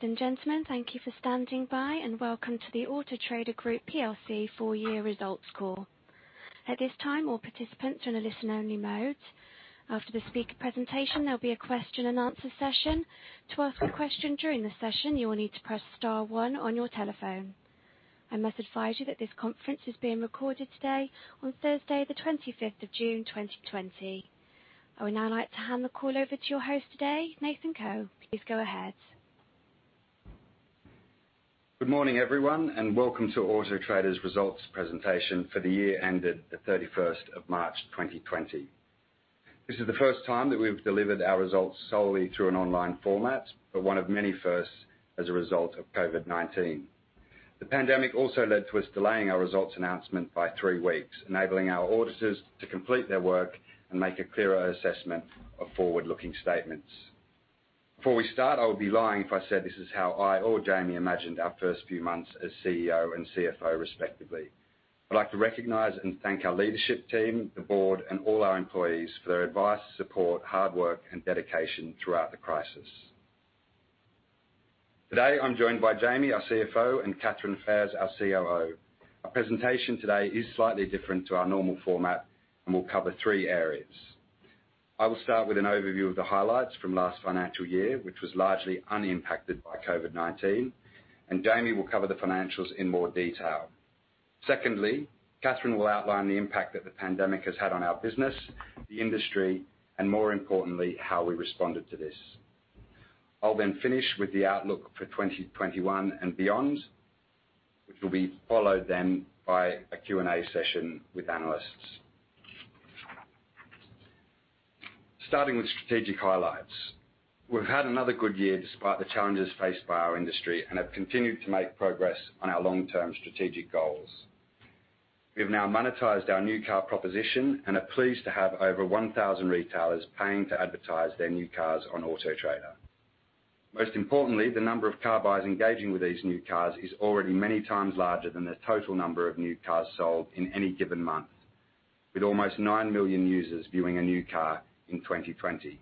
Ladies and gentlemen, thank you for standing by and welcome to the Auto Trader Group plc Full Year Results Call. At this time, all participants are in a listen-only mode. After the speaker presentation, there will be a question and answer session. To ask a question during the session, you will need to press star one on your telephone. I must advise you that this conference is being recorded today on Thursday, the 25th of June 2020. I would now like to hand the call over to your host today, Nathan Coe. Please go ahead. Good morning, everyone, and welcome to Auto Trader's results presentation for the year ended the 31st of March 2020. This is the first time that we've delivered our results solely through an online format, but one of many firsts as a result of COVID-19. The pandemic also led to us delaying our results announcement by three weeks, enabling our auditors to complete their work and make a clearer assessment of forward-looking statements. Before we start, I would be lying if I said this is how I or Jamie imagined our first few months as CEO and CFO respectively. I'd like to recognize and thank our leadership team, the board, and all our employees for their advice, support, hard work, and dedication throughout the crisis. Today, I'm joined by Jamie, our CFO, and Catherine Faiers, our COO. Our presentation today is slightly different to our normal format and will cover three areas. I will start with an overview of the highlights from last financial year, which was largely unimpacted by COVID-19, and Jamie will cover the financials in more detail. Secondly, Catherine will outline the impact that the pandemic has had on our business, the industry, and more importantly, how we responded to this. I'll then finish with the outlook for 2021 and beyond, which will be followed then by a Q&A session with analysts. Starting with strategic highlights. We've had another good year despite the challenges faced by our industry and have continued to make progress on our long-term strategic goals. We have now monetized our new car proposition and are pleased to have over 1,000 retailers paying to advertise their new cars on Auto Trader. Most importantly, the number of car buyers engaging with these new cars is already many times larger than the total number of new cars sold in any given month, with almost nine million users viewing a new car in 2020.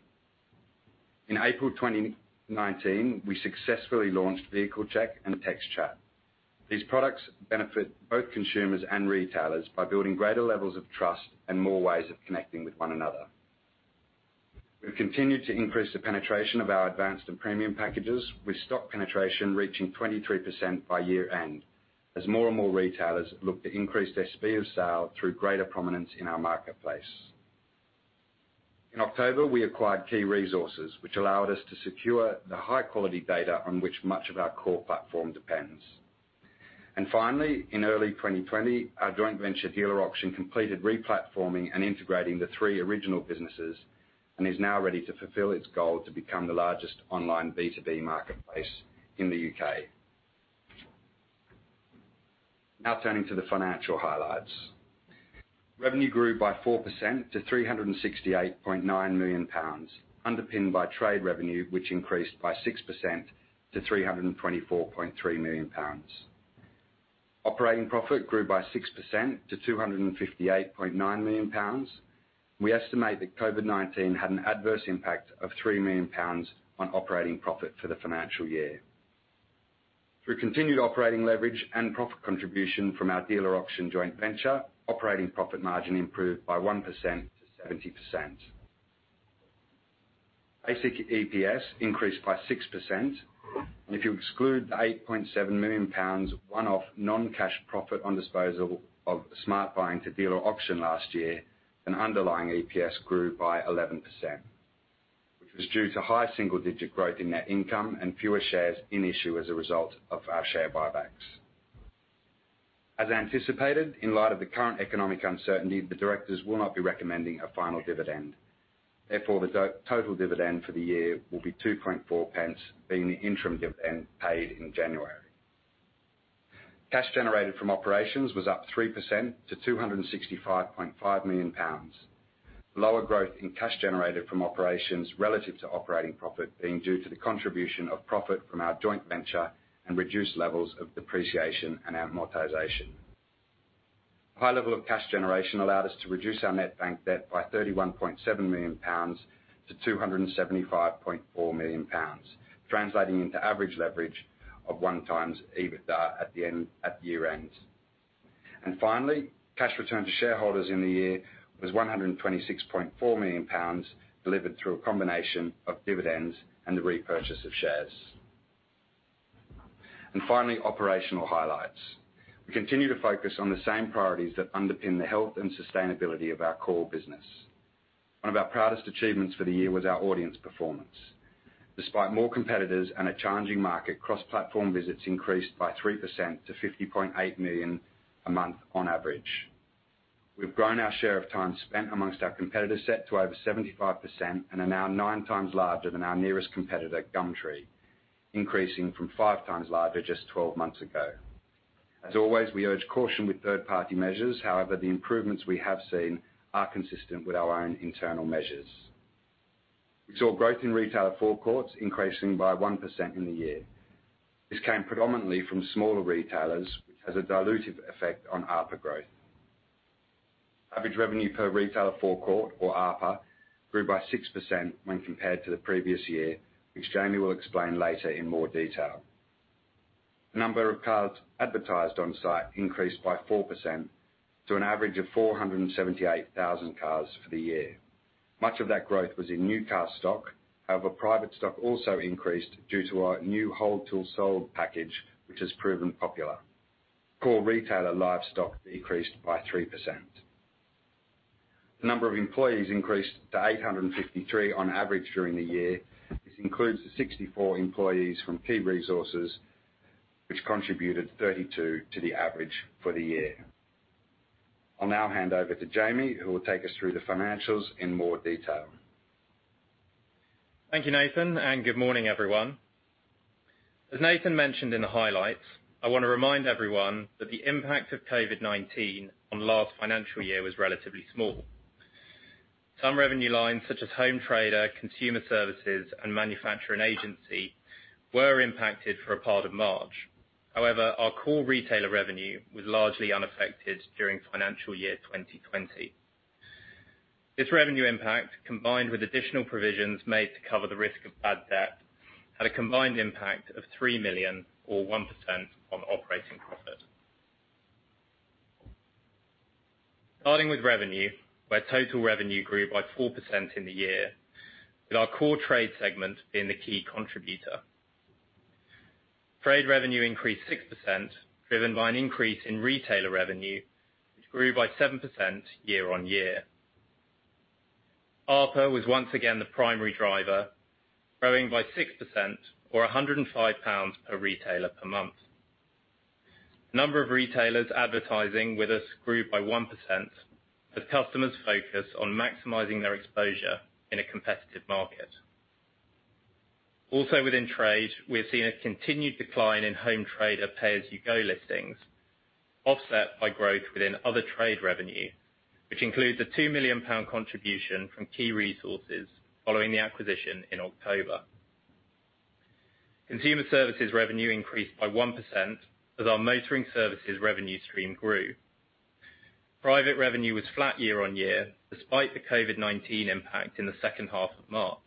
In April 2019, we successfully launched Vehicle Check and Text Chat. These products benefit both consumers and retailers by building greater levels of trust and more ways of connecting with one another. We've continued to increase the penetration of our advanced and premium packages, with stock penetration reaching 23% by year-end, as more and more retailers look to increase their speed of sale through greater prominence in our marketplace. In October, we acquired KeeResources, which allowed us to secure the high-quality data on which much of our core platform depends. Finally, in early 2020, our joint venture Dealer Auction completed replatforming and integrating the three original businesses and is now ready to fulfill its goal to become the largest online B2B marketplace in the U.K. Turning to the financial highlights. Revenue grew by 4% to 368.9 million pounds, underpinned by trade revenue, which increased by 6% to 324.3 million pounds. Operating profit grew by 6% to 258.9 million pounds. We estimate that COVID-19 had an adverse impact of 3 million pounds on operating profit for the financial year. Through continued operating leverage and profit contribution from our Dealer Auction joint venture, operating profit margin improved by 1% to 70%. Basic EPS increased by 6%. If you exclude the 8.7 million pounds one-off non-cash profit on disposal of Smart Buying to Dealer Auction last year, then underlying EPS grew by 11%, which was due to high single-digit growth in net income and fewer shares in issue as a result of our share buybacks. As anticipated, in light of the current economic uncertainty, the directors will not be recommending a final dividend. Therefore, the total dividend for the year will be 0.024, being the interim dividend paid in January. Cash generated from operations was up 3% to 265.5 million pounds. Lower growth in cash generated from operations relative to operating profit being due to the contribution of profit from our joint venture and reduced levels of depreciation and amortization. High level of cash generation allowed us to reduce our net bank debt by 31.7 million pounds to 275.4 million pounds, translating into average leverage of 1x EBITDA at year-end. Finally, cash return to shareholders in the year was 126.4 million pounds, delivered through a combination of dividends and the repurchase of shares. Finally, operational highlights. We continue to focus on the same priorities that underpin the health and sustainability of our core business. One of our proudest achievements for the year was our audience performance. Despite more competitors and a challenging market, cross-platform visits increased by 3% to 50.8 million a month on average. We've grown our share of time spent amongst our competitor set to over 75% and are now 9x larger than our nearest competitor, Gumtree, increasing from 5x larger just 12 months ago. As always, we urge caution with third-party measures. However, the improvements we have seen are consistent with our own internal measures. We saw growth in retailer forecourts increasing by 1% in the year. This came predominantly from smaller retailers, which has a dilutive effect on ARPA growth. Average revenue per retailer forecourt or ARPF grew by 6% when compared to the previous year, which Jamie will explain later in more detail. The number of cars advertised on site increased by 4% to an average of 478,000 cars for the year. Much of that growth was in new car stock, however, private stock also increased due to our new hold till sold package, which has proven popular. Core retailer live stock decreased by 3%. The number of employees increased to 853 on average during the year. This includes the 64 employees from KeeResources, which contributed 32 to the average for the year. I'll now hand over to Jamie, who will take us through the financials in more detail. Thank you, Nathan, and good morning, everyone. As Nathan mentioned in the highlights, I want to remind everyone that the impact of COVID-19 on last financial year was relatively small. Some revenue lines such as home trader, consumer services, and manufacturer and agency were impacted for a part of March. However, our core retailer revenue was largely unaffected during financial year 2020. This revenue impact, combined with additional provisions made to cover the risk of bad debt, had a combined impact of 3 million or 1% on operating profit. Starting with revenue, where total revenue grew by 4% in the year, with our core trade segment being the key contributor. Trade revenue increased 6%, driven by an increase in retailer revenue, which grew by 7% year on year. ARPF was once again the primary driver, growing by 6% or 105 pounds per retailer per month. Number of retailers advertising with us grew by 1%, with customers focused on maximizing their exposure in a competitive market. Within trade, we've seen a continued decline in Auto Trader pay-as-you-go listings, offset by growth within other trade revenue, which includes a 2 million pound contribution from KeeResources following the acquisition in October. Consumer services revenue increased by 1% as our motoring services revenue stream grew. Private revenue was flat year-on-year, despite the COVID-19 impact in the second half of March.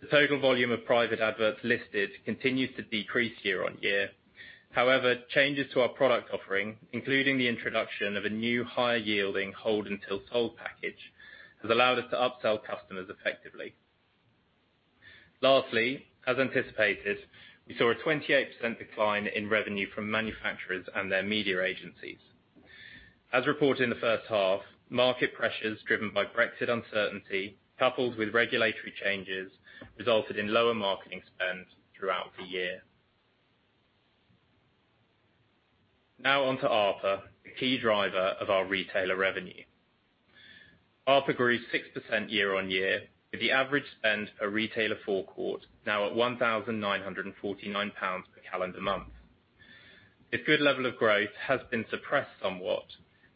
The total volume of private adverts listed continues to decrease year-on-year. However, changes to our product offering, including the introduction of a new higher yielding hold till sold package, has allowed us to upsell customers effectively. Lastly, as anticipated, we saw a 28% decline in revenue from manufacturers and their media agencies. As reported in the first half, market pressures driven by Brexit uncertainty, coupled with regulatory changes, resulted in lower marketing spend throughout the year. On to ARPF, the key driver of our retailer revenue. ARPF grew 6% year-on-year, with the average spend a retailer forecourt now at 1,949 pounds per calendar month. This good level of growth has been suppressed somewhat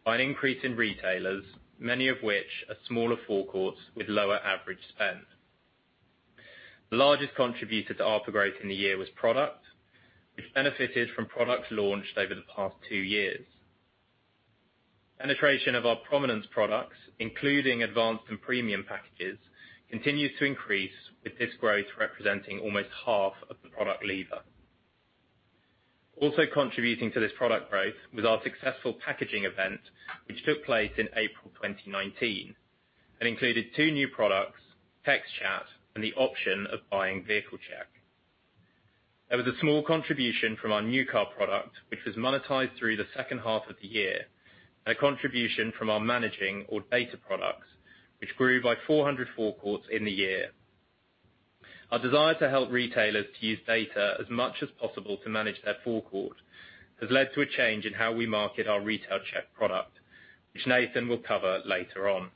by an increase in retailers, many of which are smaller forecourts with lower average spend. The largest contributor to ARPF growth in the year was product, which benefited from products launched over the past two years. Penetration of our prominence products, including advanced and premium packages, continues to increase, with this growth representing almost half of the product lever. Also contributing to this product growth was our successful packaging event, which took place in April 2019 and included two new products, Chat and Text, and the option of buying Vehicle Check. There was a small contribution from our new car product, which was monetized through the second half of the year, and a contribution from our managing or data products, which grew by 400 forecourts in the year. Our desire to help retailers to use data as much as possible to manage their forecourt has led to a change in how we market our Retail Check product, which Nathan will cover later on.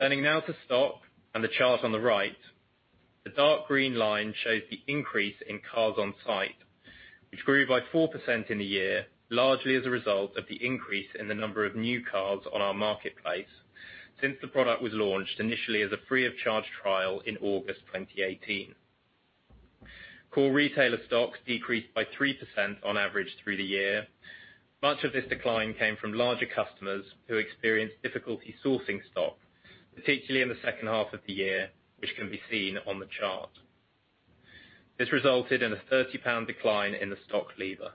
Turning now to stock and the chart on the right, the dark green line shows the increase in cars on site, which grew by 4% in the year, largely as a result of the increase in the number of new cars on our marketplace since the product was launched initially as a free of charge trial in August 2018. Core retailer stock decreased by 3% on average through the year. Much of this decline came from larger customers who experienced difficulty sourcing stock, particularly in the second half of the year, which can be seen on the chart. This resulted in a GBP 30 decline in the stock lever.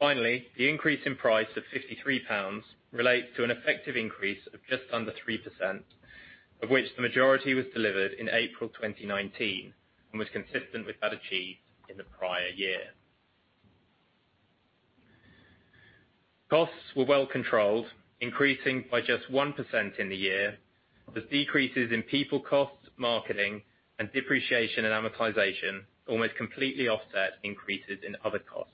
Finally, the increase in price of 53 pounds relates to an effective increase of just under 3%, of which the majority was delivered in April 2019 and was consistent with that achieved in the prior year. Costs were well controlled, increasing by just 1% in the year, with decreases in people costs, marketing and depreciation and amortization almost completely offset increases in other costs.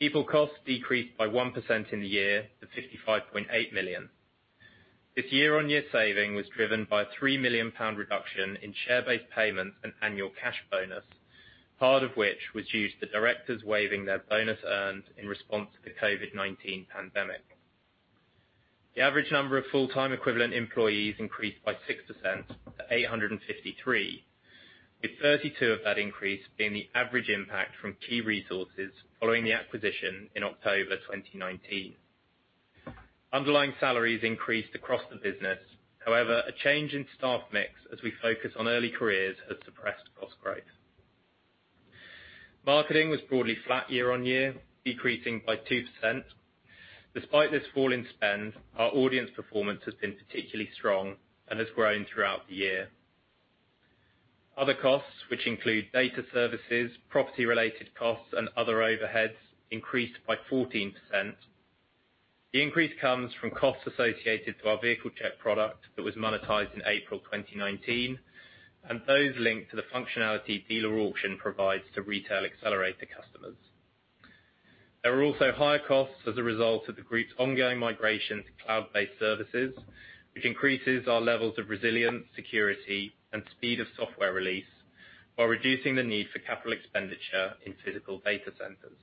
People costs decreased by 1% in the year to 55.8 million. This year-on-year saving was driven by a 3 million pound reduction in share-based payments and annual cash bonus, part of which was due to the directors waiving their bonus earned in response to the COVID-19 pandemic. The average number of full-time equivalent employees increased by 6% to 853, with 32 of that increase being the average impact from KeeResources following the acquisition in October 2019. Underlying salaries increased across the business. However, a change in staff mix as we focus on early careers has suppressed cost growth. Marketing was broadly flat year-on-year, decreasing by 2%. Despite this fall in spend, our audience performance has been particularly strong and has grown throughout the year. Other costs, which include data services, property-related costs, and other overheads, increased by 14%. The increase comes from costs associated to our Vehicle Check product that was monetized in April 2019, and those link to the functionality Dealer Auction provides to Retail Accelerator customers. There were also higher costs as a result of the group's ongoing migration to cloud-based services, which increases our levels of resilience, security, and speed of software release while reducing the need for capital expenditure in physical data centers.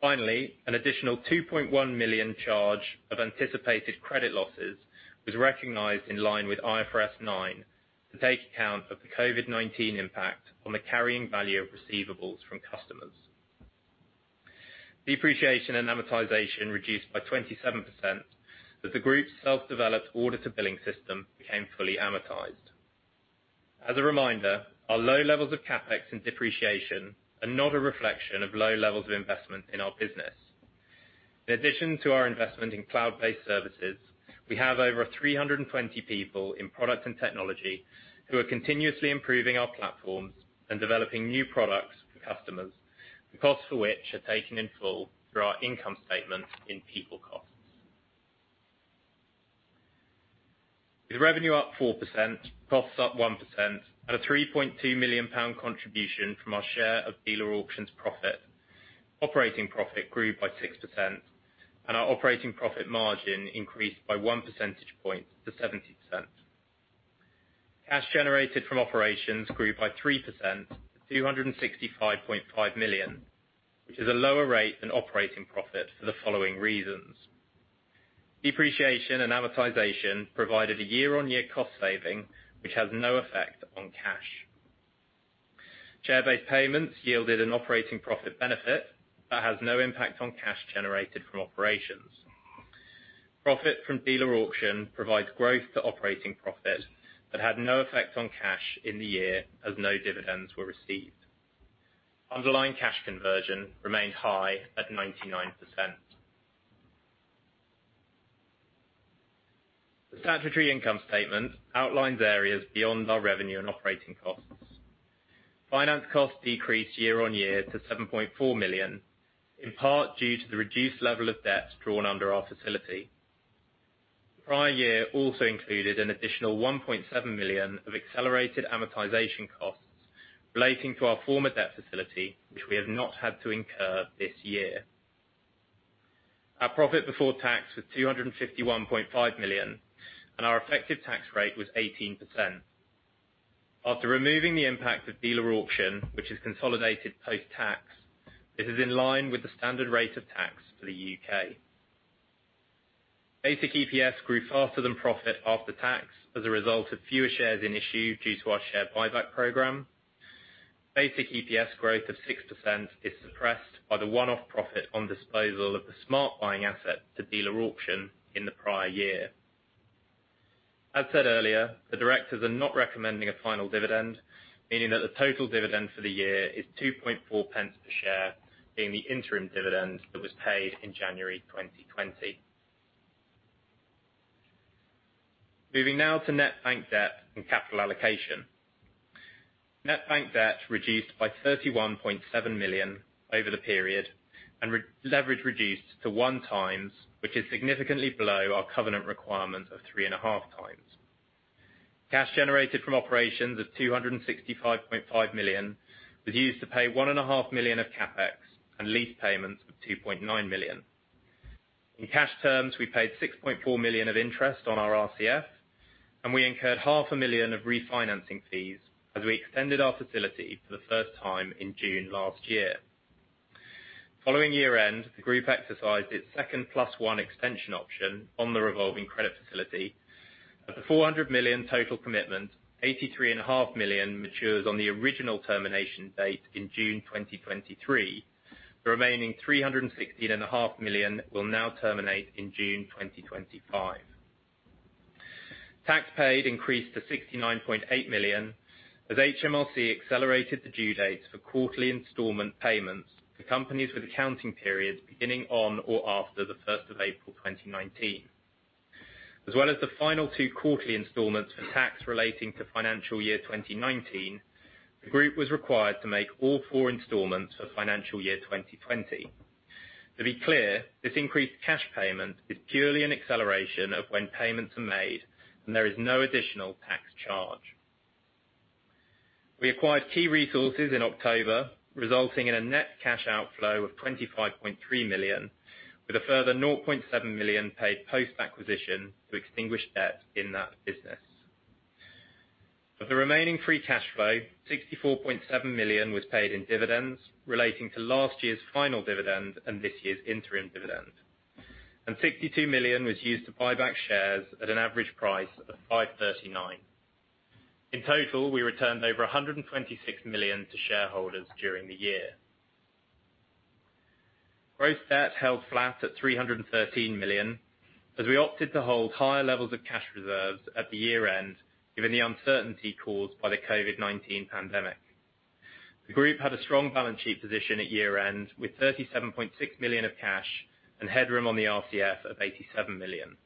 Finally, an additional 2.1 million charge of anticipated credit losses was recognized in line with IFRS 9 to take account of the COVID-19 impact on the carrying value of receivables from customers. Depreciation and amortization reduced by 27% as the group's self-developed order-to-billing system became fully amortized. As a reminder, our low levels of CapEx and depreciation are not a reflection of low levels of investment in our business. In addition to our investment in cloud-based services, we have over 320 people in product and technology who are continuously improving our platforms and developing new products for customers, the cost for which are taken in full through our income statement in people costs. With revenue up 4%, costs up 1%, and a 3.2 million pound contribution from our share of Dealer Auction's profit, operating profit grew by 6% and our operating profit margin increased by one percentage point to 70%. Cash generated from operations grew by 3% to 265.5 million, which is a lower rate than operating profit for the following reasons. Depreciation and amortization provided a year-on-year cost saving, which has no effect on cash. Share-based payments yielded an operating profit benefit that has no impact on cash generated from operations. Profit from Dealer Auction provides growth to operating profit but had no effect on cash in the year as no dividends were received. Underlying cash conversion remained high at 99%. The statutory income statement outlines areas beyond our revenue and operating costs. Finance costs decreased year-on-year to 7.4 million, in part due to the reduced level of debt drawn under our facility. The prior year also included an additional 1.7 million of accelerated amortization costs relating to our former debt facility, which we have not had to incur this year. Our profit before tax was 251.5 million and our effective tax rate was 18%. After removing the impact of Dealer Auction, which is consolidated post-tax, it is in line with the standard rate of tax for the U.K. Basic EPS grew faster than profit after tax as a result of fewer shares in issue due to our share buyback program. Basic EPS growth of 6% is suppressed by the one-off profit on disposal of the Smart Buying asset to Dealer Auction in the prior year. As said earlier, the directors are not recommending a final dividend, meaning that the total dividend for the year is 0.024 per share, being the interim dividend that was paid in January 2020. Moving now to net bank debt and capital allocation. Net bank debt reduced by 31.7 million over the period and leverage reduced to 1x, which is significantly below our covenant requirement of 3.5x. Cash generated from operations of 265.5 million was used to pay 1.5 million of CapEx and lease payments of 2.9 million. In cash terms, we paid 6.4 million of interest on our RCF, and we incurred GBP half a million of refinancing fees as we extended our facility for the first time in June last year. Following year-end, the group exercised its second plus one extension option on the revolving credit facility. Of the 400 million total commitment, 83.5 million matures on the original termination date in June 2023. The remaining 316.5 million will now terminate in June 2025. Tax paid increased to 69.8 million as HMRC accelerated the due dates for quarterly installment payments for companies with accounting periods beginning on or after the 1st of April 2019. As well as the final two quarterly installments for tax relating to financial year 2019, the group was required to make all four installments for financial year 2020. To be clear, this increased cash payment is purely an acceleration of when payments are made and there is no additional tax charge. We acquired KeeResources in October, resulting in a net cash outflow of 25.3 million with a further 0.7 million paid post-acquisition to extinguish debt in that business. Of the remaining free cash flow, 64.7 million was paid in dividends relating to last year's final dividend and this year's interim dividend. 62 million was used to buy back shares at an average price of 5.39. In total, we returned over 126 million to shareholders during the year. Gross debt held flat at 313 million, as we opted to hold higher levels of cash reserves at the year-end, given the uncertainty caused by the COVID-19 pandemic. The Group had a strong balance sheet position at year-end, with 37.6 million of cash and headroom on the RCF of 87 million.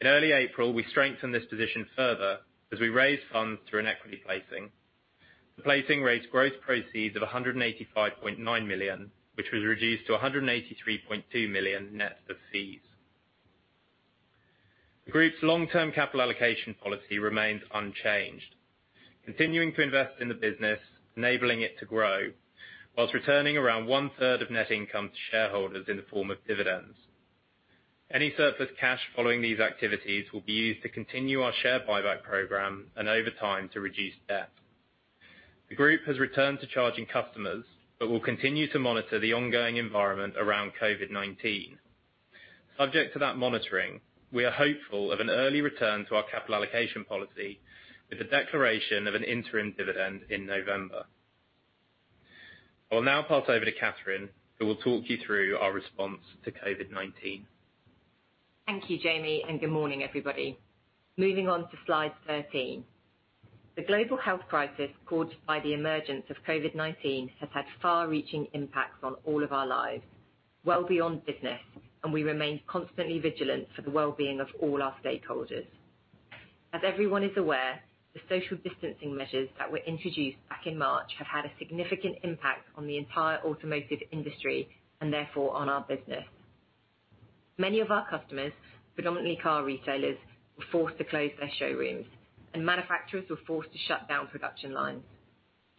In early April, we strengthened this position further as we raised funds through an equity placing. The placing raised gross proceeds of 185.9 million, which was reduced to 183.2 million net of fees. The Group's long-term capital allocation policy remains unchanged, continuing to invest in the business, enabling it to grow, whilst returning around one-third of net income to shareholders in the form of dividends. Any surplus cash following these activities will be used to continue our share buyback program and over time to reduce debt. The Group has returned to charging customers but will continue to monitor the ongoing environment around COVID-19. Subject to that monitoring, we are hopeful of an early return to our capital allocation policy with the declaration of an interim dividend in November. I will now pass over to Catherine, who will talk you through our response to COVID-19. Thank you, Jamie. Good morning, everybody. Moving on to slide 13. The global health crisis caused by the emergence of COVID-19 has had far-reaching impacts on all of our lives, well beyond business, and we remain constantly vigilant for the well-being of all our stakeholders. As everyone is aware, the social distancing measures that were introduced back in March have had a significant impact on the entire automotive industry and therefore on our business. Many of our customers, predominantly car retailers, were forced to close their showrooms, and manufacturers were forced to shut down production lines.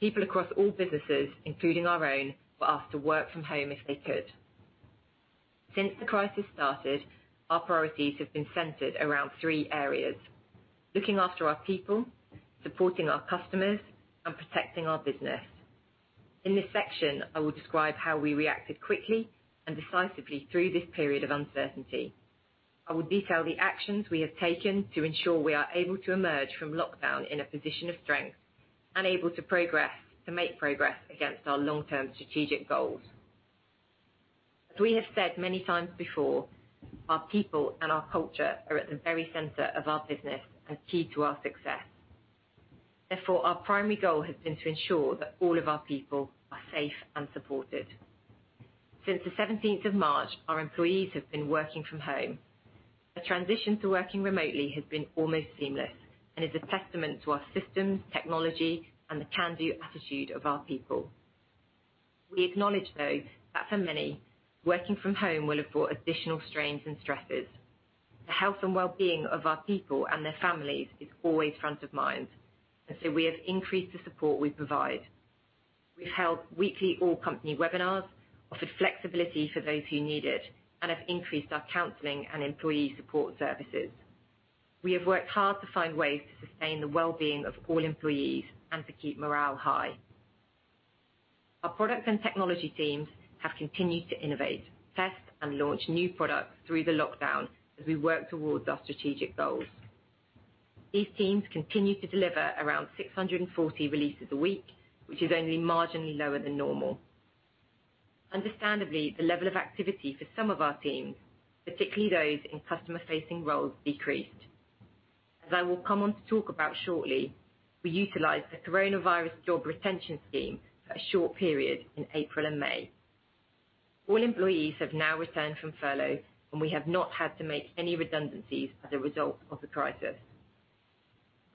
People across all businesses, including our own, were asked to work from home if they could. Since the crisis started, our priorities have been centered around three areas: looking after our people, supporting our customers, and protecting our business. In this section, I will describe how we reacted quickly and decisively through this period of uncertainty. I will detail the actions we have taken to ensure we are able to emerge from lockdown in a position of strength and able to make progress against our long-term strategic goals. As we have said many times before, our people and our culture are at the very center of our business and key to our success. Therefore, our primary goal has been to ensure that all of our people are safe and supported. Since the 17th of March, our employees have been working from home. The transition to working remotely has been almost seamless and is a testament to our systems, technology, and the can-do attitude of our people. We acknowledge, though, that for many, working from home will have brought additional strains and stresses. The health and well-being of our people and their families is always front of mind, and so we have increased the support we provide. We've held weekly all-company webinars, offered flexibility for those who need it, and have increased our counseling and employee support services. We have worked hard to find ways to sustain the well-being of all employees and to keep morale high. Our product and technology teams have continued to innovate, test, and launch new products through the lockdown as we work towards our strategic goals. These teams continue to deliver around 640 releases a week, which is only marginally lower than normal. Understandably, the level of activity for some of our teams, particularly those in customer-facing roles, decreased. As I will come on to talk about shortly, we utilized the Coronavirus Job Retention Scheme for a short period in April and May. All employees have now returned from furlough, and we have not had to make any redundancies as a result of the crisis.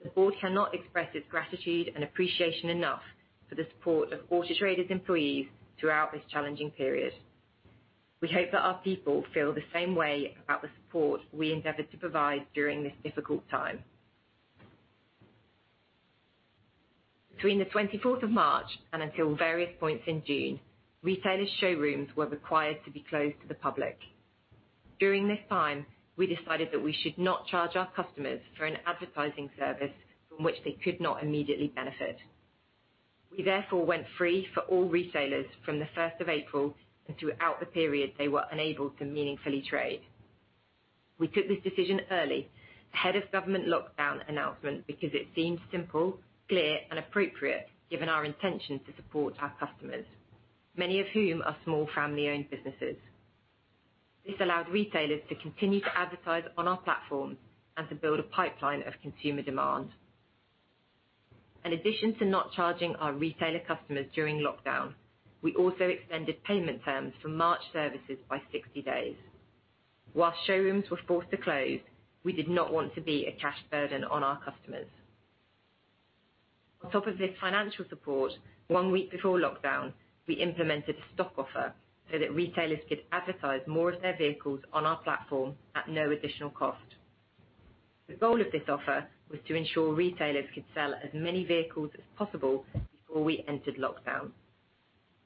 The board cannot express its gratitude and appreciation enough for the support of Auto Trader's employees throughout this challenging period. We hope that our people feel the same way about the support we endeavored to provide during this difficult time. Between the 24th of March and until various points in June, retailers' showrooms were required to be closed to the public. During this time, we decided that we should not charge our customers for an advertising service from which they could not immediately benefit. We therefore went free for all retailers from the 1st of April and throughout the period they were unable to meaningfully trade. We took this decision early, ahead of government lockdown announcement, because it seemed simple, clear, and appropriate given our intention to support our customers, many of whom are small family-owned businesses. This allowed retailers to continue to advertise on our platform and to build a pipeline of consumer demand. In addition to not charging our retailer customers during lockdown, we also extended payment terms for March services by 60 days. Whilst showrooms were forced to close, we did not want to be a cash burden on our customers. On top of this financial support, one week before lockdown, we implemented a stock offer so that retailers could advertise more of their vehicles on our platform at no additional cost. The goal of this offer was to ensure retailers could sell as many vehicles as possible before we entered lockdown.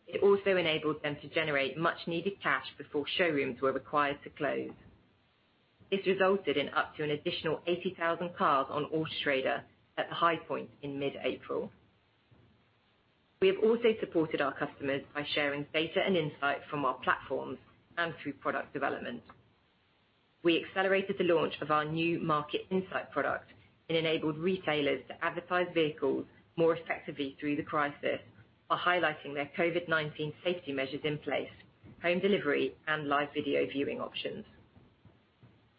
It also enabled them to generate much needed cash before showrooms were required to close. This resulted in up to an additional 80,000 cars on Auto Trader at the high point in mid-April. We have also supported our customers by sharing data and insight from our platforms and through product development. We accelerated the launch of our new market insight product and enabled retailers to advertise vehicles more effectively through the crisis by highlighting their COVID-19 safety measures in place, home delivery, and live video viewing options.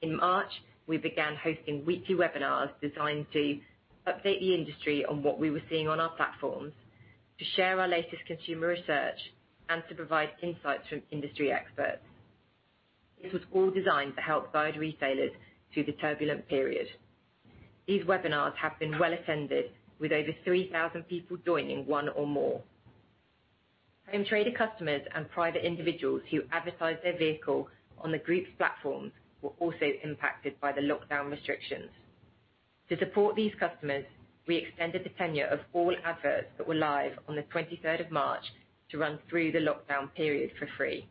In March, we began hosting weekly webinars designed to update the industry on what we were seeing on our platforms, to share our latest consumer research, and to provide insights from industry experts. This was all designed to help guide retailers through the turbulent period. These webinars have been well attended, with over 3,000 people joining one or more. Auto Trader customers and private individuals who advertise their vehicle on the group's platforms were also impacted by the lockdown restrictions. To support these customers, we extended the tenure of all adverts that were live on the 23rd of March to run through the lockdown period for free.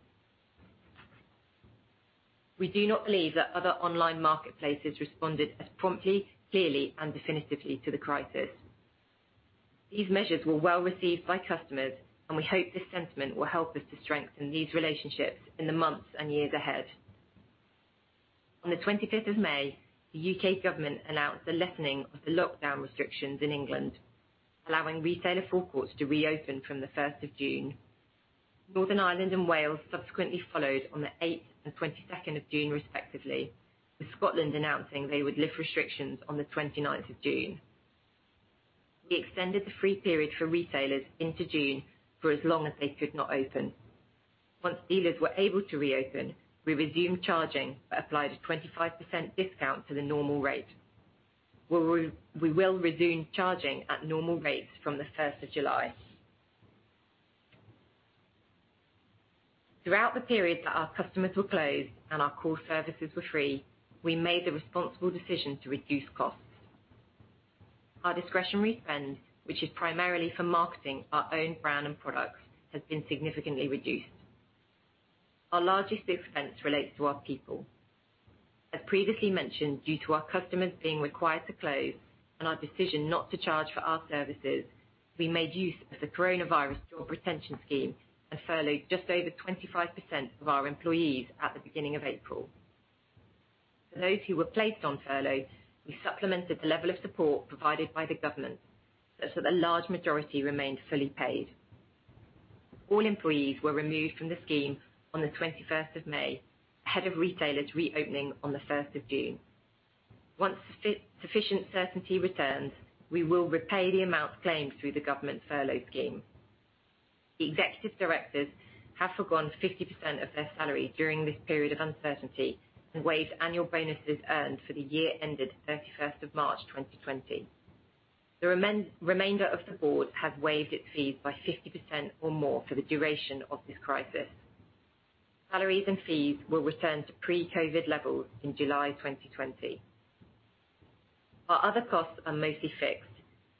We do not believe that other online marketplaces responded as promptly, clearly, and definitively to the crisis. These measures were well received by customers, and we hope this sentiment will help us to strengthen these relationships in the months and years ahead. On the 25th of May, the U.K. government announced a lessening of the lockdown restrictions in England, allowing retailer forecourts to reopen from the 1st of June. Northern Ireland and Wales subsequently followed on the 8th and 22nd of June, respectively, with Scotland announcing they would lift restrictions on the 29th of June. We extended the free period for retailers into June for as long as they could not open. Once dealers were able to reopen, we resumed charging, but applied a 25% discount to the normal rate. We will resume charging at normal rates from the 1st of July. Throughout the period that our customers were closed and our core services were free, we made the responsible decision to reduce costs. Our discretionary spend, which is primarily for marketing our own brand and products, has been significantly reduced. Our largest expense relates to our people. As previously mentioned, due to our customers being required to close and our decision not to charge for our services, we made use of the Coronavirus Job Retention Scheme and furloughed just over 25% of our employees at the beginning of April. For those who were placed on furlough, we supplemented the level of support provided by the government, such that a large majority remained fully paid. All employees were removed from the scheme on the 21st of May, ahead of retailers reopening on the 1st of June. Once sufficient certainty returns, we will repay the amounts claimed through the government furlough scheme. The executive directors have forgone 50% of their salary during this period of uncertainty and waived annual bonuses earned for the year ended 31st of March 2020. The remainder of the board have waived its fees by 50% or more for the duration of this crisis. Salaries and fees will return to pre-COVID-19 levels in July 2020. Our other costs are mostly fixed.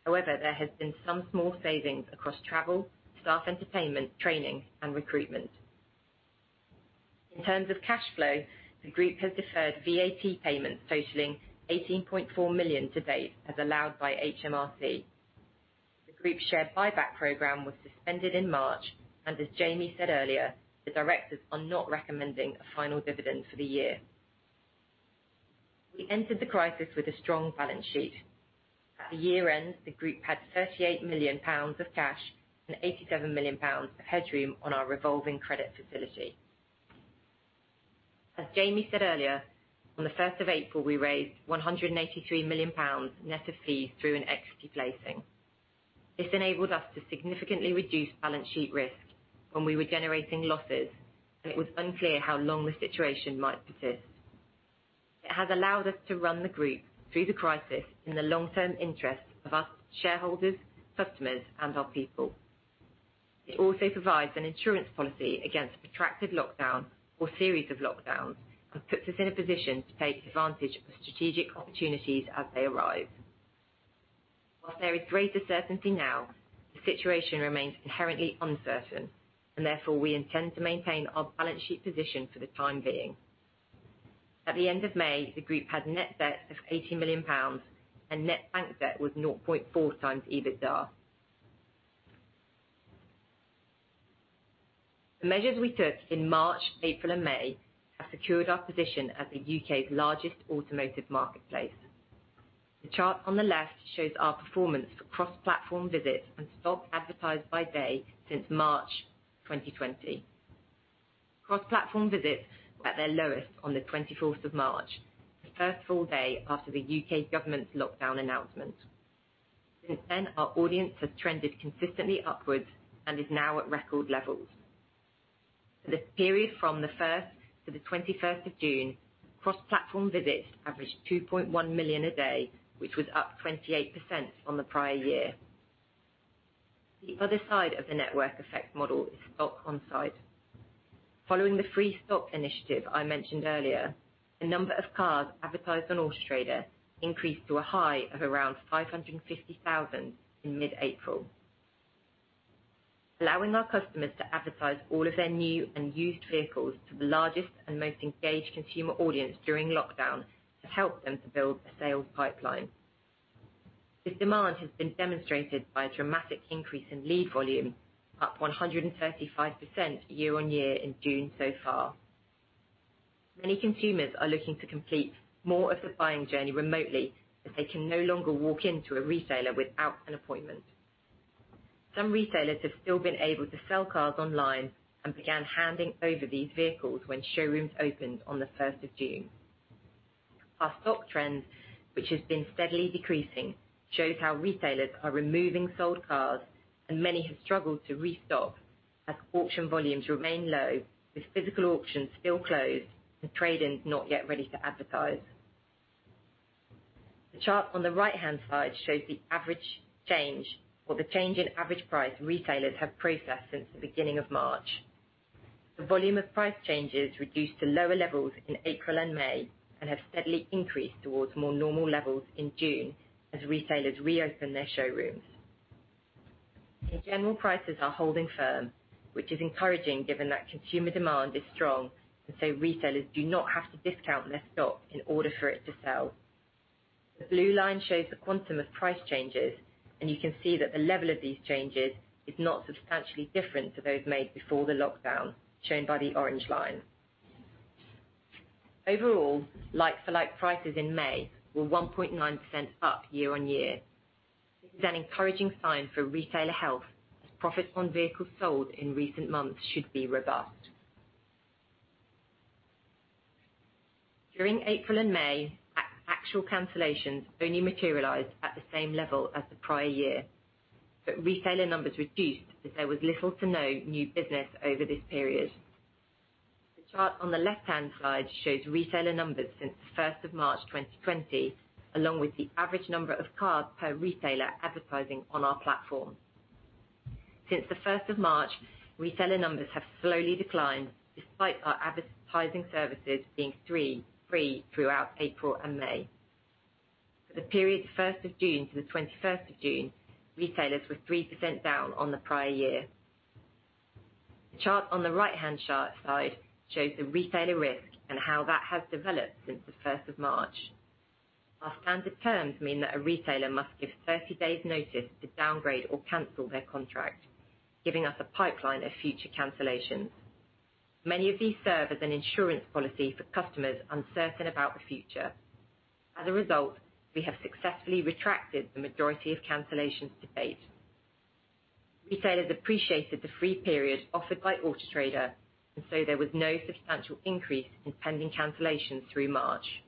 However, there has been some small savings across travel, staff entertainment, training, and recruitment. In terms of cash flow, the group has deferred VAT payments totaling 18.4 million to date, as allowed by HMRC. The group's share buyback program was suspended in March, and as Jamie said earlier, the directors are not recommending a final dividend for the year. We entered the crisis with a strong balance sheet. At the year-end, the group had 38 million pounds of cash and 87 million pounds of headroom on our revolving credit facility. As Jamie said earlier, on the 1st of April, we raised 183 million pounds net of fees through an equity placing. This enabled us to significantly reduce balance sheet risk when we were generating losses, and it was unclear how long the situation might persist. It has allowed us to run the group through the crisis in the long-term interest of our shareholders, customers, and our people. It also provides an insurance policy against protracted lockdown or series of lockdowns and puts us in a position to take advantage of strategic opportunities as they arise. Whilst there is greater certainty now, the situation remains inherently uncertain, and therefore, we intend to maintain our balance sheet position for the time being. At the end of May, the group had net debt of £80 million, and net bank debt was 0.4x EBITDA. The measures we took in March, April, and May have secured our position as the U.K.'s largest automotive marketplace. The chart on the left shows our performance for cross-platform visits and stock advertised by day since March 2020. Cross-platform visits were at their lowest on the 24th of March, the first full day after the U.K. government's lockdown announcement. Since then, our audience has trended consistently upwards and is now at record levels. For the period from the 1st to the 21st of June, cross-platform visits averaged 2.1 million a day, which was up 28% on the prior year. The other side of the network effect model is stock onsite. Following the free stock initiative I mentioned earlier, the number of cars advertised on Auto Trader increased to a high of around 550,000 in mid-April. Allowing our customers to advertise all of their new and used vehicles to the largest and most engaged consumer audience during lockdown has helped them to build a sales pipeline. This demand has been demonstrated by a dramatic increase in lead volume, up 135% year-on-year in June so far. Many consumers are looking to complete more of the buying journey remotely, as they can no longer walk into a retailer without an appointment. Some retailers have still been able to sell cars online and began handing over these vehicles when showrooms opened on the 1st of June. Our stock trends, which has been steadily decreasing, shows how retailers are removing sold cars, and many have struggled to restock as auction volumes remain low with physical auctions still closed and trade-ins not yet ready to advertise. The chart on the right-hand side shows the average change, or the change in average price retailers have processed since the beginning of March. The volume of price changes reduced to lower levels in April and May and have steadily increased towards more normal levels in June as retailers reopen their showrooms. In general, prices are holding firm, which is encouraging given that consumer demand is strong. Retailers do not have to discount their stock in order for it to sell. The blue line shows the quantum of price changes, and you can see that the level of these changes is not substantially different to those made before the lockdown, shown by the orange line. Overall, like-for-like prices in May were 1.9% up year-on-year. This is an encouraging sign for retailer health, as profit on vehicles sold in recent months should be robust. During April and May, actual cancellations only materialized at the same level as the prior year, but retailer numbers reduced as there was little to no new business over this period. The chart on the left-hand side shows retailer numbers since the 1st of March 2020, along with the average number of cars per retailer advertising on our platform. Since the 1st of March, retailer numbers have slowly declined, despite our advertising services being free throughout April and May. For the period 1st of June to the 21st of June, retailers were 3% down on the prior year. The chart on the right-hand side shows the retailer risk and how that has developed since the 1st of March. Our standard terms mean that a retailer must give 30 days notice to downgrade or cancel their contract, giving us a pipeline of future cancellations. Many of these serve as an insurance policy for customers uncertain about the future. As a result, we have successfully retracted the majority of cancellations to date. Retailers appreciated the free period offered by Auto Trader, and so there was no substantial increase in pending cancellations through March.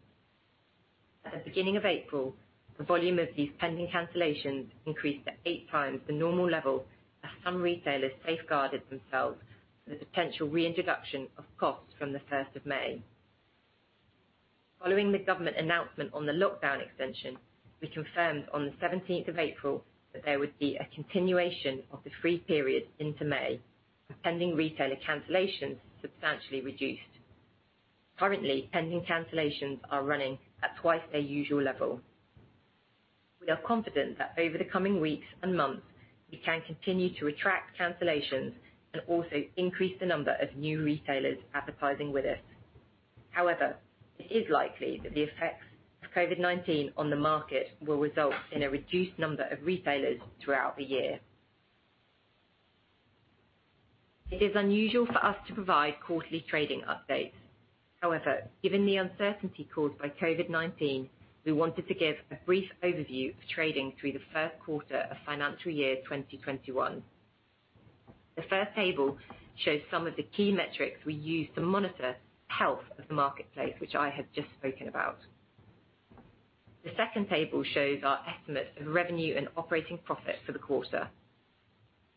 At the beginning of April, the volume of these pending cancellations increased to 8x the normal level as some retailers safeguarded themselves for the potential reintroduction of costs from the 1st of May. Following the government announcement on the lockdown extension, we confirmed on the 17th of April that there would be a continuation of the free period into May, with pending retailer cancellations substantially reduced. Currently, pending cancellations are running at twice their usual level. We are confident that over the coming weeks and months, we can continue to retract cancellations and also increase the number of new retailers advertising with us. It is likely that the effects of COVID-19 on the market will result in a reduced number of retailers throughout the year. It is unusual for us to provide quarterly trading updates. However, given the uncertainty caused by COVID-19, we wanted to give a brief overview of trading through the first quarter of financial year 2021. The first table shows some of the key metrics we use to monitor health of the marketplace, which I have just spoken about. The second table shows our estimates of revenue and operating profit for the quarter.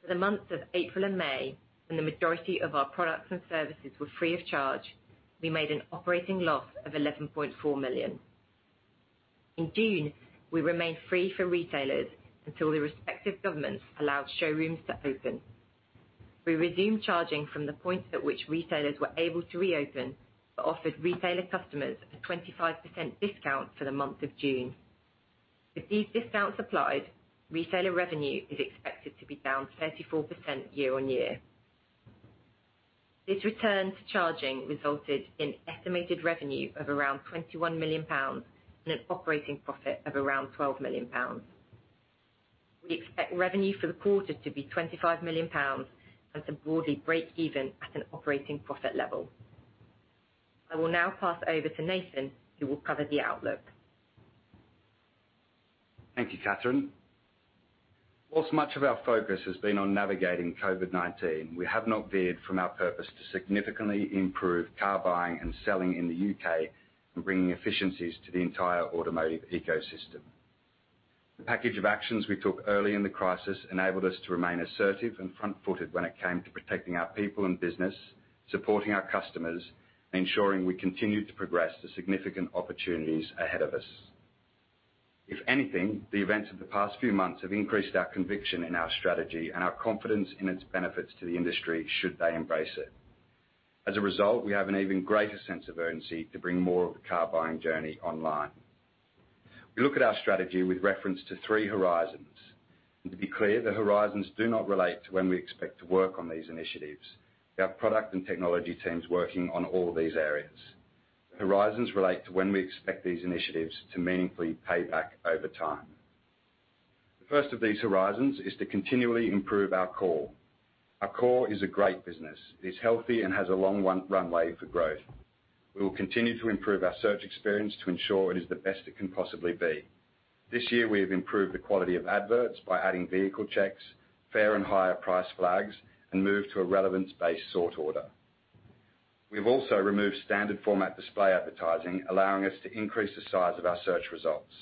For the months of April and May, when the majority of our products and services were free of charge, we made an operating loss of 11.4 million. In June, we remained free for retailers until the respective governments allowed showrooms to open. We resumed charging from the point at which retailers were able to reopen, but offered retailer customers a 25% discount for the month of June. With these discounts applied, retailer revenue is expected to be down 34% year-on-year. This return to charging resulted in estimated revenue of around 21 million pounds and an operating profit of around 12 million pounds. We expect revenue for the quarter to be 25 million pounds, and to broadly break even at an operating profit level. I will now pass over to Nathan, who will cover the outlook. Thank you, Catherine. While much of our focus has been on navigating COVID-19, we have not veered from our purpose to significantly improve car buying and selling in the U.K. and bringing efficiencies to the entire automotive ecosystem. The package of actions we took early in the crisis enabled us to remain assertive and front-footed when it came to protecting our people and business, supporting our customers, and ensuring we continued to progress the significant opportunities ahead of us. If anything, the events of the past few months have increased our conviction in our strategy and our confidence in its benefits to the industry, should they embrace it. As a result, we have an even greater sense of urgency to bring more of the car buying journey online. We look at our strategy with reference to three horizons. To be clear, the horizons do not relate to when we expect to work on these initiatives. We have product and technology teams working on all these areas. Horizons relate to when we expect these initiatives to meaningfully pay back over time. The first of these horizons is to continually improve our core. Our core is a great business. It's healthy and has a long runway for growth. We will continue to improve our search experience to ensure it is the best it can possibly be. This year we have improved the quality of adverts by adding Vehicle Checks, fair and higher price flags, and moved to a relevance-based sort order. We've also removed standard format display advertising, allowing us to increase the size of our search results.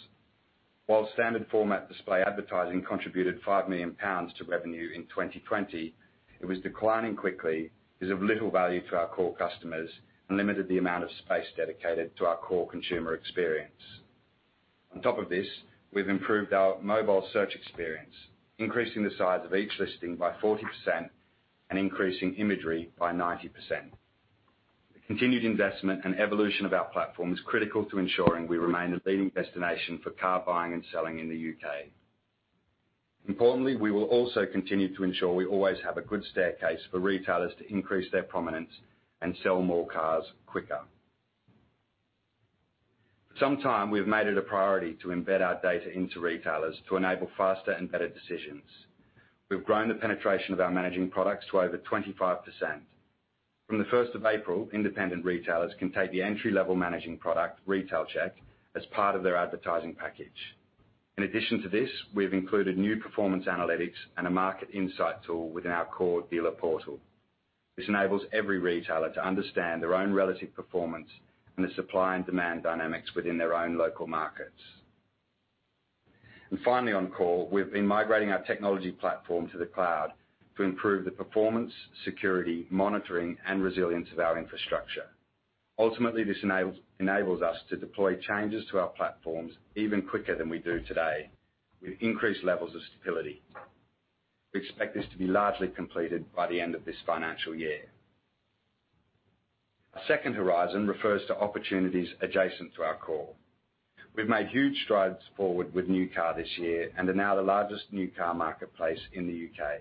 While standard format display advertising contributed 5 million pounds to revenue in 2020, it was declining quickly, is of little value to our core customers, and limited the amount of space dedicated to our core consumer experience. On top of this, we've improved our mobile search experience, increasing the size of each listing by 40% and increasing imagery by 90%. The continued investment and evolution of our platform is critical to ensuring we remain the leading destination for car buying and selling in the U.K. Importantly, we will also continue to ensure we always have a good staircase for retailers to increase their prominence and sell more cars quicker. For some time, we have made it a priority to embed our data into retailers to enable faster and better decisions. We've grown the penetration of our managing products to over 25%. From the 1st of April, independent retailers can take the entry-level managing product, Retail Check, as part of their advertising package. In addition to this, we have included new performance analytics and a market insight tool within our core dealer portal. This enables every retailer to understand their own relative performance and the supply and demand dynamics within their own local markets. Finally, on core, we've been migrating our technology platform to the cloud to improve the performance, security, monitoring, and resilience of our infrastructure. Ultimately, this enables us to deploy changes to our platforms even quicker than we do today with increased levels of stability. We expect this to be largely completed by the end of this financial year. Our second horizon refers to opportunities adjacent to our core. We've made huge strides forward with new car this year, and are now the largest new car marketplace in the U.K.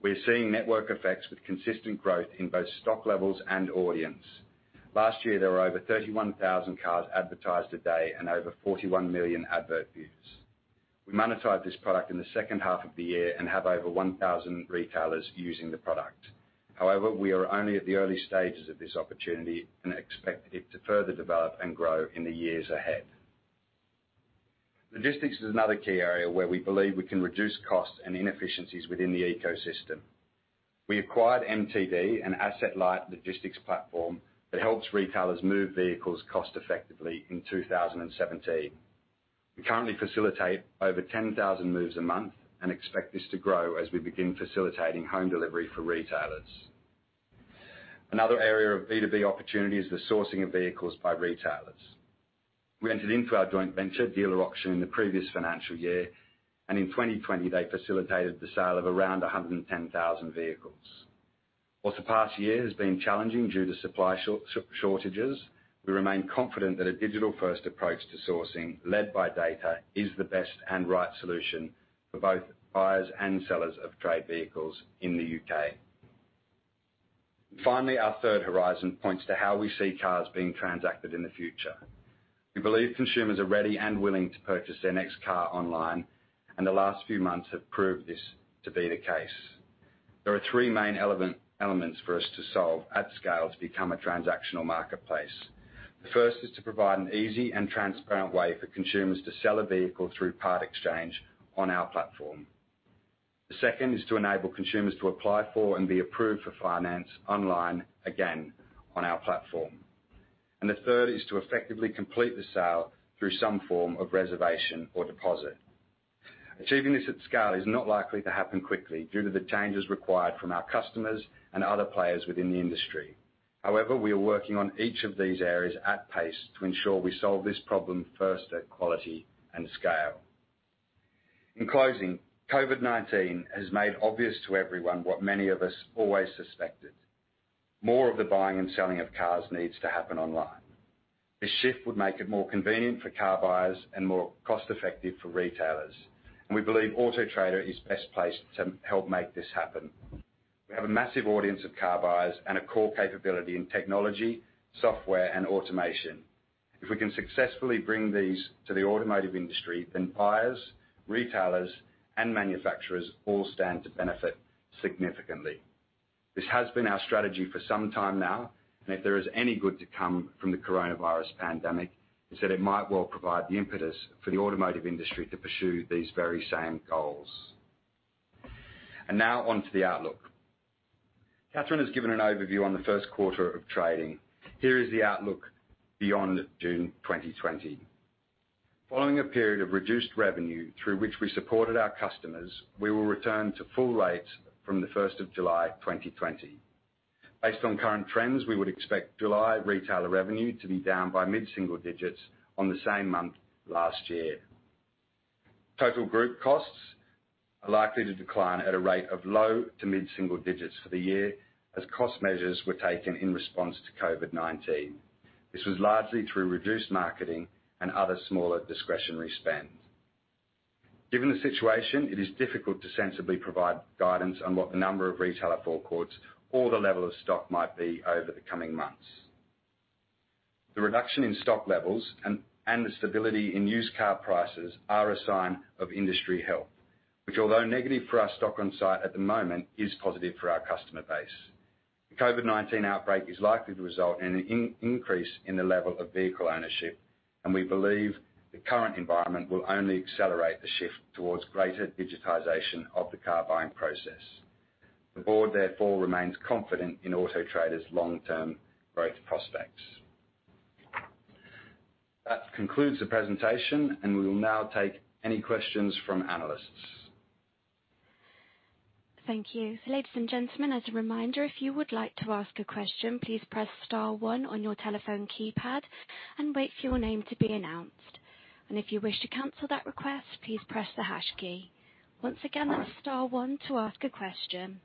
We are seeing network effects with consistent growth in both stock levels and audience. Last year, there were over 31,000 cars advertised a day and over 41 million advert views. We monetized this product in the second half of the year and have over 1,000 retailers using the product. However, we are only at the early stages of this opportunity and expect it to further develop and grow in the years ahead. Logistics is another key area where we believe we can reduce costs and inefficiencies within the ecosystem. We acquired MTD, an asset-light logistics platform that helps retailers move vehicles cost effectively, in 2017. We currently facilitate over 10,000 moves a month and expect this to grow as we begin facilitating home delivery for retailers. Another area of B2B opportunity is the sourcing of vehicles by retailers. We entered into our joint venture Dealer Auction in the previous financial year. In 2020, they facilitated the sale of around 110,000 vehicles. While the past year has been challenging due to supply shortages, we remain confident that a digital-first approach to sourcing, led by data, is the best and right solution for both buyers and sellers of trade vehicles in the U.K. Finally, our third horizon points to how we see cars being transacted in the future. We believe consumers are ready and willing to purchase their next car online. The last few months have proved this to be the case. There are three main elements for us to solve at scale to become a transactional marketplace. The first is to provide an easy and transparent way for consumers to sell a vehicle through part exchange on our platform. The second is to enable consumers to apply for and be approved for finance online, again, on our platform. The third is to effectively complete the sale through some form of reservation or deposit. Achieving this at scale is not likely to happen quickly due to the changes required from our customers and other players within the industry. However, we are working on each of these areas at pace to ensure we solve this problem first at quality and scale. In closing, COVID-19 has made obvious to everyone what many of us always suspected. More of the buying and selling of cars needs to happen online. This shift would make it more convenient for car buyers and more cost-effective for retailers. We believe Auto Trader is best placed to help make this happen. We have a massive audience of car buyers and a core capability in technology, software, and automation. If we can successfully bring these to the automotive industry, then buyers, retailers, and manufacturers all stand to benefit significantly. This has been our strategy for some time now, and if there is any good to come from the coronavirus pandemic, it's that it might well provide the impetus for the automotive industry to pursue these very same goals. Now on to the outlook. Catherine has given an overview on the first quarter of trading. Here is the outlook beyond June 2020. Following a period of reduced revenue through which we supported our customers, we will return to full rates from the 1st of July 2020. Based on current trends, we would expect July retailer revenue to be down by mid-single digits on the same month last year. Total group costs are likely to decline at a rate of low to mid-single digits for the year as cost measures were taken in response to COVID-19. This was largely through reduced marketing and other smaller discretionary spend. Given the situation, it is difficult to sensibly provide guidance on what the number of retailer forecourts or the level of stock might be over the coming months. The reduction in stock levels and the stability in used car prices are a sign of industry health, which although negative for our stock on site at the moment, is positive for our customer base. The COVID-19 outbreak is likely to result in an increase in the level of vehicle ownership, and we believe the current environment will only accelerate the shift towards greater digitization of the car buying process. The board therefore remains confident in Auto Trader's long-term growth prospects. That concludes the presentation, and we will now take any questions from analysts. Thank you. Ladies and gentlemen, as a reminder, if you would like to ask a question, please press star one on your telephone keypad and wait for your name to be announced. If you wish to cancel that request, please press the hash key. Once again, that's star one to ask a question.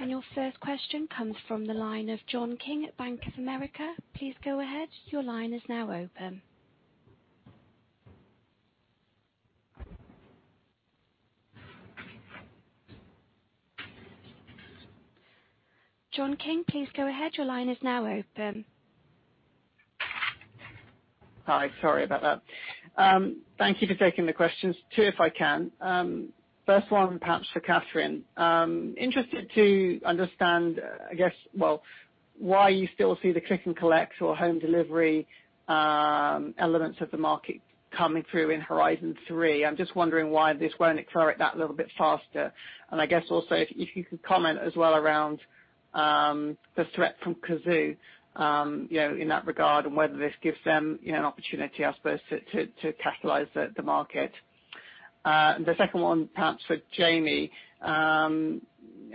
Your first question comes from the line of John King at Bank of America. Please go ahead. Your line is now open. John King, please go ahead. Your line is now open. Hi. Sorry about that. Thank you for taking the questions. Two, if I can. First one perhaps for Catherine. Interested to understand why you still see the click and collect or home delivery elements of the market coming through in horizon three. I'm just wondering why this won't accelerate that a little bit faster. I guess also if you could comment as well around the threat from Cazoo in that regard and whether this gives them an opportunity, I suppose, to capitalize the market. The second one, perhaps for Jamie.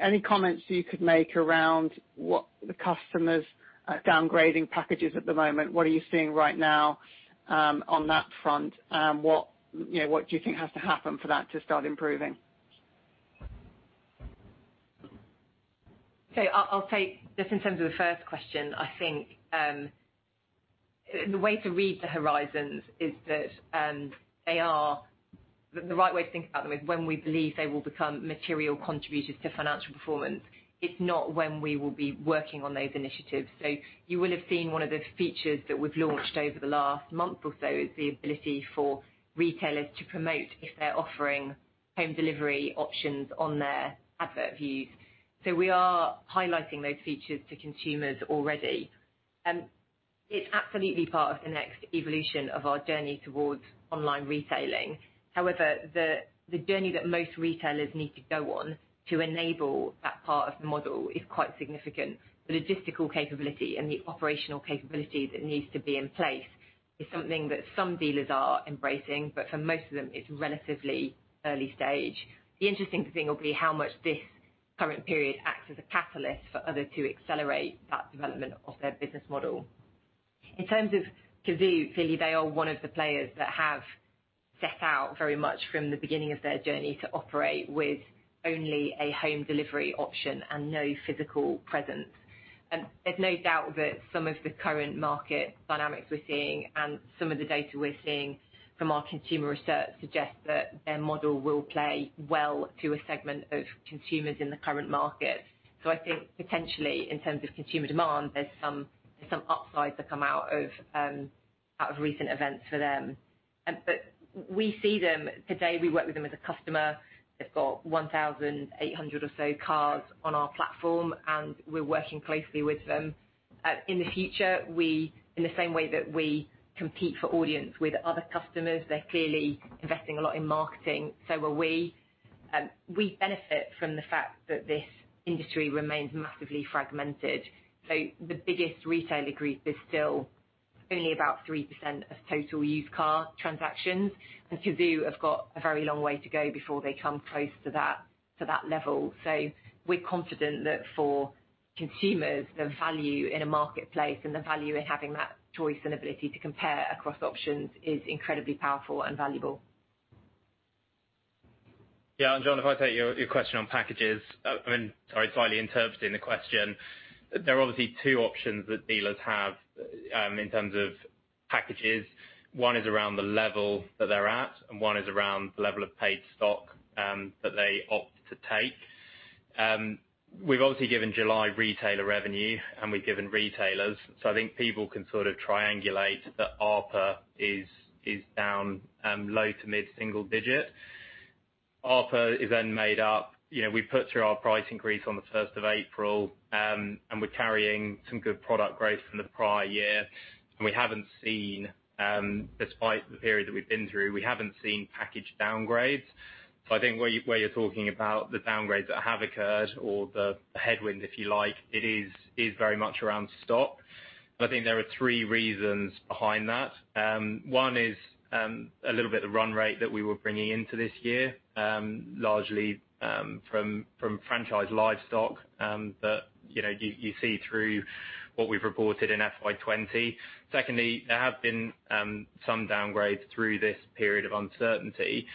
Any comments you could make around what the customers are downgrading packages at the moment. What are you seeing right now on that front? What do you think has to happen for that to start improving? I'll take just in terms of the first question. I think the way to read the horizons, the right way to think about them is when we believe they will become material contributors to financial performance. It's not when we will be working on those initiatives. You will have seen one of the features that we've launched over the last month or so is the ability for retailers to promote if they're offering home delivery options on their advert views. It's absolutely part of the next evolution of our journey towards online retailing. The journey that most retailers need to go on to enable that part of the model is quite significant. The logistical capability and the operational capability that needs to be in place is something that some dealers are embracing, but for most of them it's relatively early stage. The interesting thing will be how much this current period acts as a catalyst for others to accelerate that development of their business model. In terms of Cazoo, clearly they are one of the players that have set out very much from the beginning of their journey to operate with only a home delivery option and no physical presence. There's no doubt that some of the current market dynamics we're seeing and some of the data we're seeing from our consumer research suggests that their model will play well to a segment of consumers in the current market. I think potentially in terms of consumer demand, there's some upsides that come out of recent events for them. We see them. Today, we work with them as a customer. They've got 1,800 or so cars on our platform, and we're working closely with them. In the future, in the same way that we compete for audience with other customers, they're clearly investing a lot in marketing. We benefit from the fact that this industry remains massively fragmented. The biggest retailer group is still only about 3% of total used car transactions, and Cazoo have got a very long way to go before they come close to that level. We're confident that for consumers, the value in a marketplace and the value in having that choice and ability to compare across options is incredibly powerful and valuable. Yeah. John, if I take your question on packages, sorry, slightly interpreting the question. There are obviously two options that dealers have in terms of packages. One is around the level that they're at, and one is around the level of paid stock that they opt to take. We've obviously given July retailer revenue, and we've given retailers. I think people can sort of triangulate that ARPA is down low to mid-single digit. ARPA. We put through our price increase on the 1st of April, and we're carrying some good product growth from the prior year. Despite the period that we've been through, we haven't seen package downgrades. I think where you're talking about the downgrades that have occurred or the headwinds, if you like, it is very much around stock. I think there are three reasons behind that. One is a little bit of run rate that we were bringing into this year, largely from franchise live stock, that you see through what we've reported in FY 2020. Secondly, there have been some downgrades through this period of uncertainty.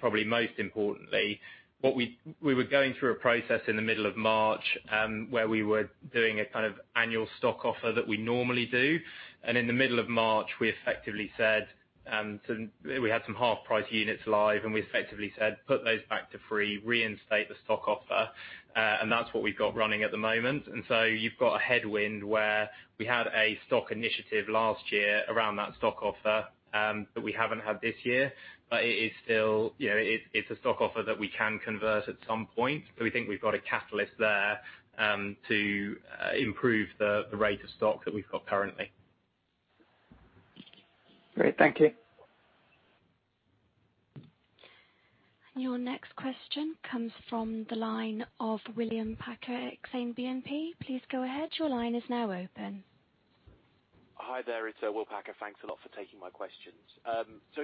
Probably most importantly, we were going through a process in the middle of March, where we were doing a kind of annual stock offer that we normally do. In the middle of March, we had some half-price units live and we effectively said, "Put those back to free, reinstate the stock offer." That's what we've got running at the moment. You've got a headwind where we had a stock initiative last year around that stock offer, that we haven't had this year. It's a stock offer that we can convert at some point. We think we've got a catalyst there to improve the rate of stock that we've got currently. Great. Thank you. Your next question comes from the line of William Packer at Exane BNP. Please go ahead. Your line is now open. Hi there, it's Will Packer. Thanks a lot for taking my questions.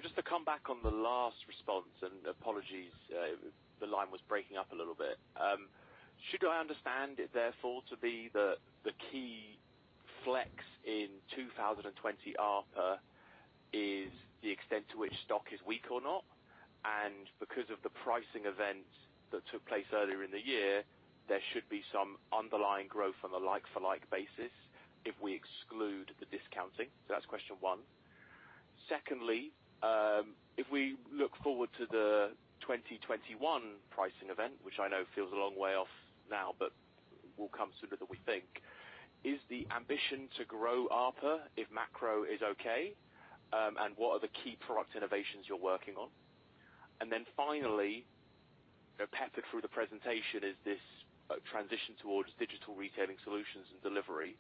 Just to come back on the last response, and apologies the line was breaking up a little bit. Should I understand it therefore to be the key flex in 2020 ARPA is the extent to which stock is weak or not? Because of the pricing event that took place earlier in the year, there should be some underlying growth on a like for like basis, if we exclude the discounting. That's question one. Secondly, if we look forward to the 2021 pricing event, which I know feels a long way off now, but will come sooner than we think, is the ambition to grow ARPA if macro is okay? What are the key product innovations you're working on? Finally, peppered through the presentation is this transition towards digital retailing solutions and delivery.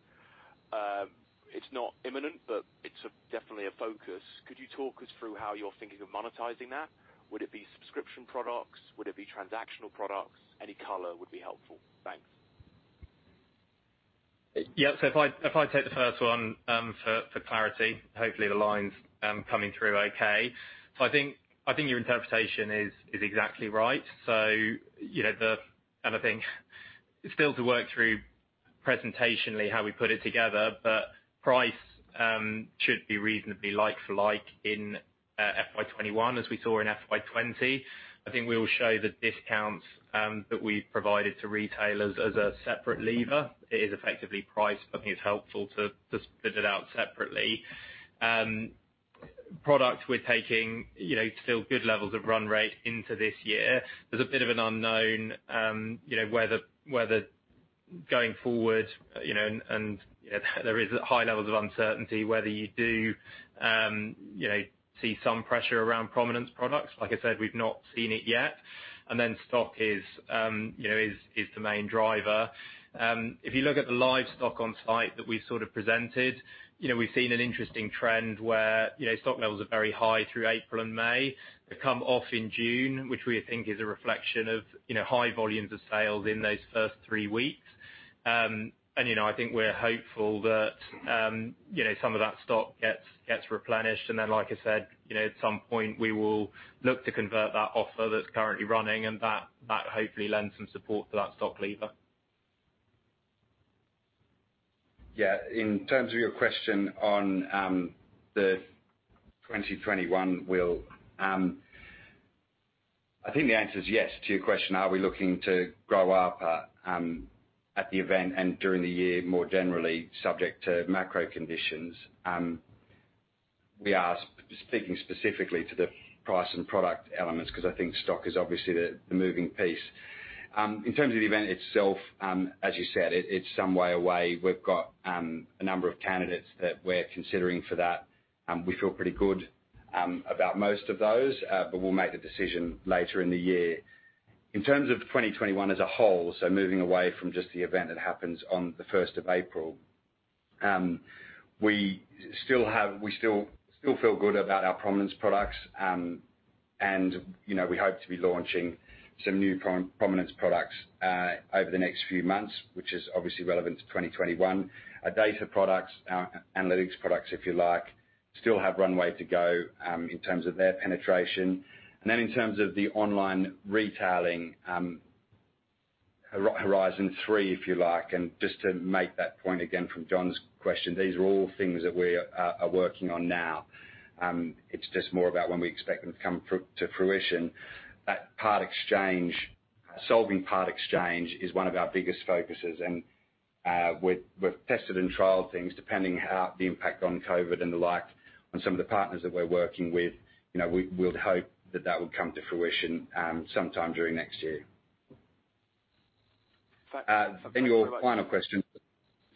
It's not imminent, but it's definitely a focus. Could you talk us through how you're thinking of monetizing that? Would it be subscription products? Would it be transactional products? Any color would be helpful. Thanks. Yeah. If I take the first one, for clarity. Hopefully the line's coming through okay. I think your interpretation is exactly right. I think still to work through presentationally how we put it together, but price should be reasonably like for like in FY 2021, as we saw in FY 2020. I think we will show the discounts that we provided to retailers as a separate lever. It is effectively priced, but I think it's helpful to split it out separately. Product, we're taking still good levels of run rate into this year. There's a bit of an unknown whether going forward, and there is high levels of uncertainty whether you do see some pressure around prominence products. Like I said, we've not seen it yet. Stock is the main driver. If you look at the live stock on site that we sort of presented, we've seen an interesting trend where stock levels are very high through April and May. They come off in June, which we think is a reflection of high volumes of sales in those first three weeks. I think we're hopeful that some of that stock gets replenished, and then like I said, at some point we will look to convert that offer that's currently running, and that hopefully lend some support to that stock lever. Yeah. In terms of your question on the 2021, Will. I think the answer is yes to your question, are we looking to grow ARPA at the event and during the year, more generally, subject to macro conditions. We are speaking specifically to the price and product elements, because I think stock is obviously the moving piece. In terms of the event itself, as you said, it's some way away. We've got a number of candidates that we're considering for that. We feel pretty good about most of those, but we'll make the decision later in the year. In terms of 2021 as a whole, so moving away from just the event that happens on the 1st of April. We still feel good about our prominence products. We hope to be launching some new prominence products over the next few months, which is obviously relevant to 2021. Our data products, our analytics products, if you like, still have runway to go in terms of their penetration. In terms of the online retailing, horizon 3, if you like, and just to make that point again from John's question, these are all things that we are working on now. It's just more about when we expect them to come to fruition. Solving part exchange is one of our biggest focuses, and we've tested and trialed things, depending how the impact on COVID and the like on some of the partners that we're working with. We would hope that that would come to fruition sometime during next year. Your final question.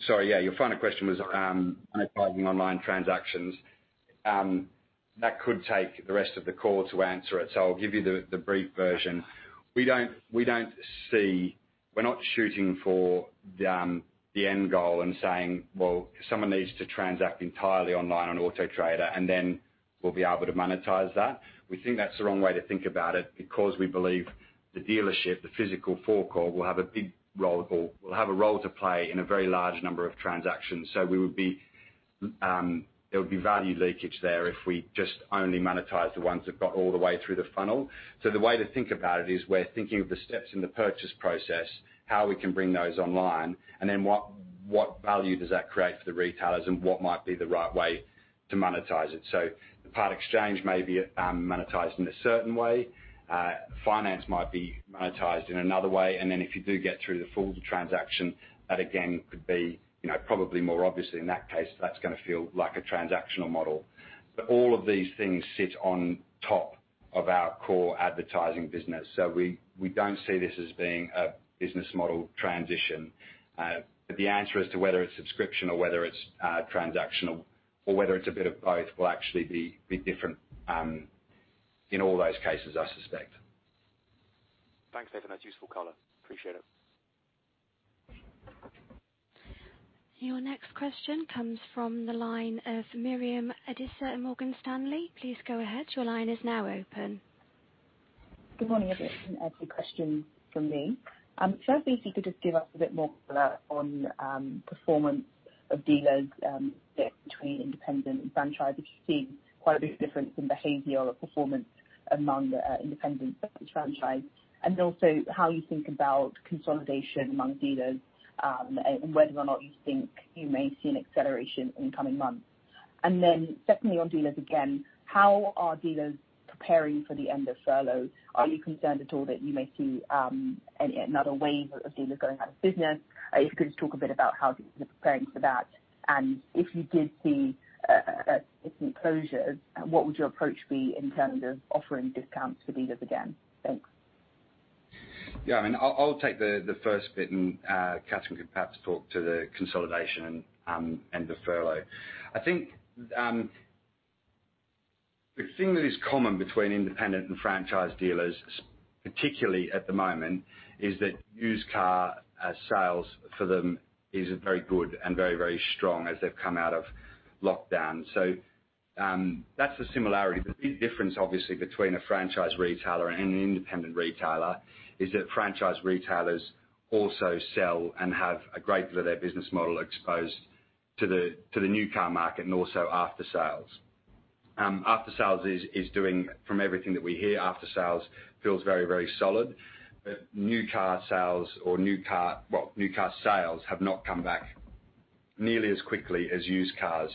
Sorry, yeah, your final question was monetizing online transactions. That could take the rest of the call to answer it. I'll give you the brief version. We're not shooting for the end goal and saying, "Well, someone needs to transact entirely online on Auto Trader," and then we'll be able to monetize that. We think that's the wrong way to think about it because we believe the dealership, the physical forecourt, will have a big role to play in a very large number of transactions. There would be value leakage there if we just only monetize the ones that got all the way through the funnel. The way to think about it is we're thinking of the steps in the purchase process, how we can bring those online, and then what value does that create for the retailers, and what might be the right way to monetize it. The part exchange may be monetized in a certain way. Finance might be monetized in another way. If you do get through the full transaction, that again could be probably more obviously in that case, that's going to feel like a transactional model. All of these things sit on top of our core advertising business. We don't see this as being a business model transition. The answer as to whether it's subscription or whether it's transactional or whether it's a bit of both will actually be different in all those cases, I suspect. Thanks, Nathan. That's useful color. Appreciate it. Your next question comes from the line of Miriam Adisa at Morgan Stanley. Please go ahead. Your line is now open. Good morning, everyone. A few questions from me. Firstly, if you could just give us a bit more color on performance of dealers, difference between independent and franchise, if you're seeing quite a bit of difference in behavioral or performance among independent versus franchise, and also how you think about consolidation among dealers, and whether or not you think you may see an acceleration in the coming months. Secondly on dealers again, how are dealers preparing for the end of furlough? Are you concerned at all that you may see another wave of dealers going out of business? If you could just talk a bit about how dealers are preparing for that, and if you did see some closures, what would your approach be in terms of offering discounts for dealers again? Thanks. Yeah, I'll take the first bit and Catherine can perhaps talk to the consolidation and the furlough. I think the thing that is common between independent and franchise dealers, particularly at the moment, is that used car sales for them is very good and very strong as they've come out of lockdown. That's the similarity. The big difference, obviously, between a franchise retailer and an independent retailer is that franchise retailers also sell and have a greater of their business model exposed to the new car market and also aftersales. From everything that we hear, aftersales feels very solid. New car sales have not come back nearly as quickly as used cars.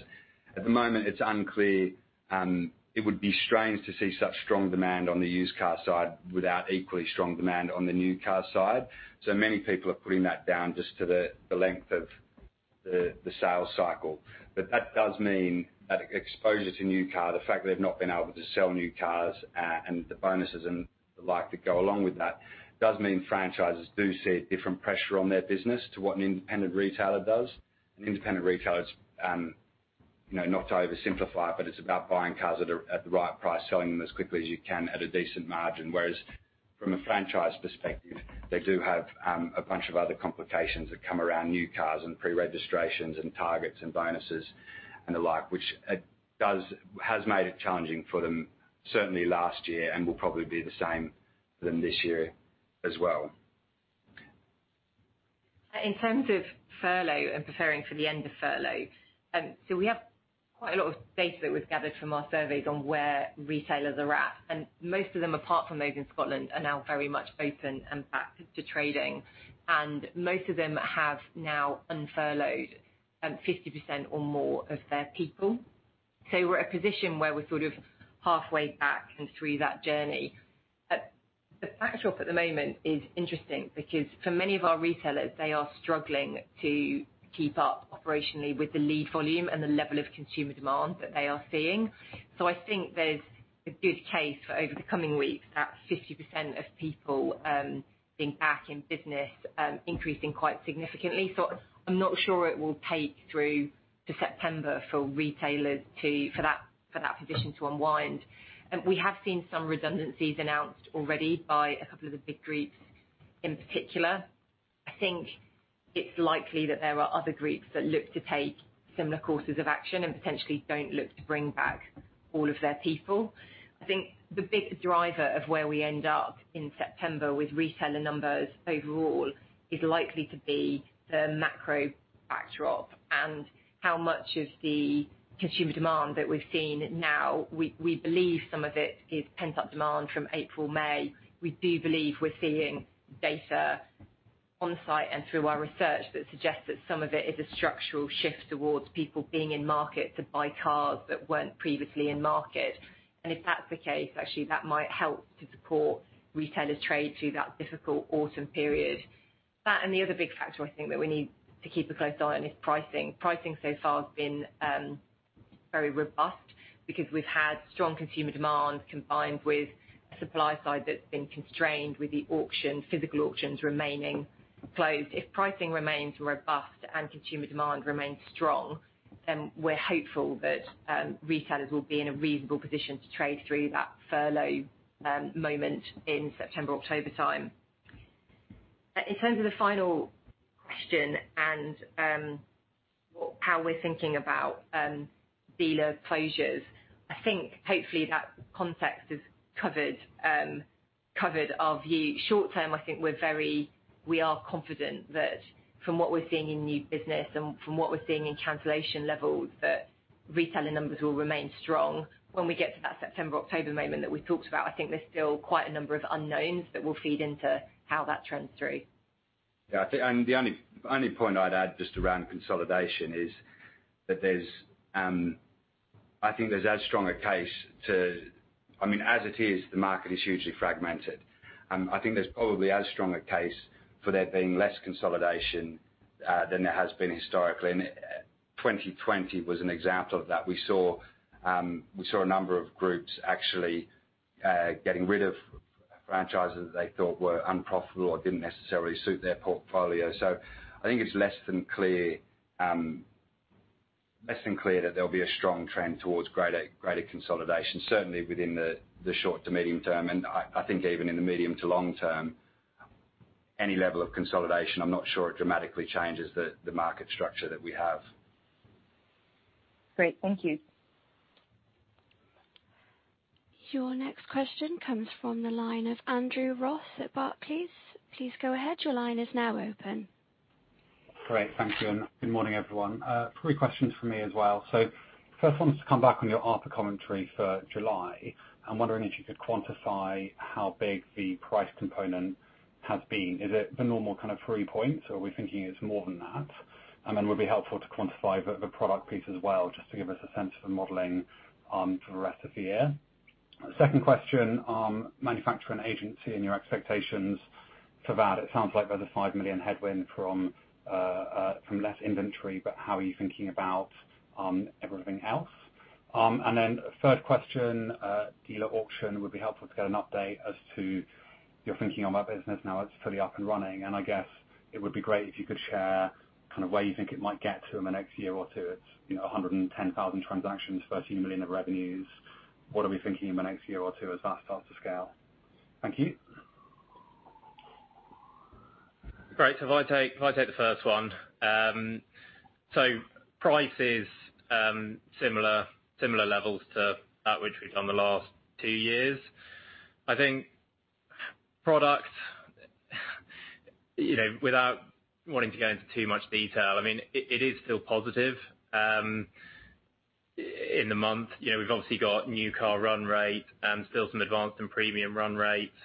At the moment, it's unclear. It would be strange to see such strong demand on the used car side without equally strong demand on the new car side. Many people are putting that down just to the length of the sales cycle. That does mean that exposure to new car, the fact that they've not been able to sell new cars and the bonuses and the like that go along with that, does mean franchisers do see a different pressure on their business to what an independent retailer does. An independent retailer is, not to oversimplify it, but it's about buying cars at the right price, selling them as quickly as you can at a decent margin. From a franchise perspective, they do have a bunch of other complications that come around new cars and pre-registrations and targets and bonuses and the like, which has made it challenging for them certainly last year and will probably be the same for them this year as well. In terms of furlough and preparing for the end of furlough, we have quite a lot of data that we've gathered from our surveys on where retailers are at. Most of them, apart from those in Scotland, are now very much open and back to trading. Most of them have now unfurloughed 50% or more of their people. We're at a position where we're sort of halfway back and through that journey. The backdrop at the moment is interesting because for many of our retailers, they are struggling to keep up operationally with the lead volume and the level of consumer demand that they are seeing. I think there's a good case for over the coming weeks that 50% of people being back in business increasing quite significantly. I'm not sure it will take through to September for that position to unwind. We have seen some redundancies announced already by a couple of the big groups in particular. I think it's likely that there are other groups that look to take similar courses of action and potentially don't look to bring back all of their people I think the big driver of where we end up in September with retailer numbers overall is likely to be the macro backdrop and how much of the consumer demand that we've seen now, we believe some of it is pent-up demand from April, May. We do believe we're seeing data on site and through our research that suggests that some of it is a structural shift towards people being in market to buy cars that weren't previously in market. If that's the case, actually that might help to support retailers trade through that difficult autumn period. That the other big factor I think that we need to keep a close eye on is pricing. Pricing so far has been very robust because we've had strong consumer demand combined with supply side that's been constrained with the auction, physical auctions remaining closed. If pricing remains robust and consumer demand remains strong, then we're hopeful that retailers will be in a reasonable position to trade through that furlough moment in September, October time. In terms of the final question and how we're thinking about dealer closures, I think hopefully that context is covered. Short term, I think we are confident that from what we're seeing in new business and from what we're seeing in cancellation levels, that retailing numbers will remain strong. When we get to that September, October moment that we talked about, I think there's still quite a number of unknowns that will feed into how that trends through. Yeah. The only point I'd add just around consolidation is, as it is, the market is hugely fragmented. I think there's probably as strong a case for there being less consolidation than there has been historically. 2020 was an example of that. We saw a number of groups actually getting rid of franchises they thought were unprofitable or didn't necessarily suit their portfolio. I think it's less than clear that there'll be a strong trend towards greater consolidation, certainly within the short to medium term. I think even in the medium to long term, any level of consolidation, I'm not sure it dramatically changes the market structure that we have. Great. Thank you. Your next question comes from the line of Andrew Ross at Barclays. Please go ahead. Your line is now open. Great. Thank you, good morning, everyone. Three questions from me as well. First one is to come back on your ARPA commentary for July. I'm wondering if you could quantify how big the price component has been. Is it the normal three points, or are we thinking it's more than that? It would be helpful to quantify the product piece as well, just to give us a sense of the modeling for the rest of the year. Second question, manufacturing agency and your expectations for that. It sounds like there's a 5 million headwind from less inventory, but how are you thinking about everything else? Third question, Dealer Auction. It would be helpful to get an update as to your thinking on that business now it's fully up and running. I guess it would be great if you could share where you think it might get to in the next year or two. It is 110,000 transactions, 13 million of revenues. What are we thinking in the next year or two as that starts to scale? Thank you. Great. If I take the first one. Price is similar levels to at which we've done the last two years. I think product, without wanting to go into too much detail, it is still positive. In the month, we've obviously got new car run rate, still some advanced and premium run rates.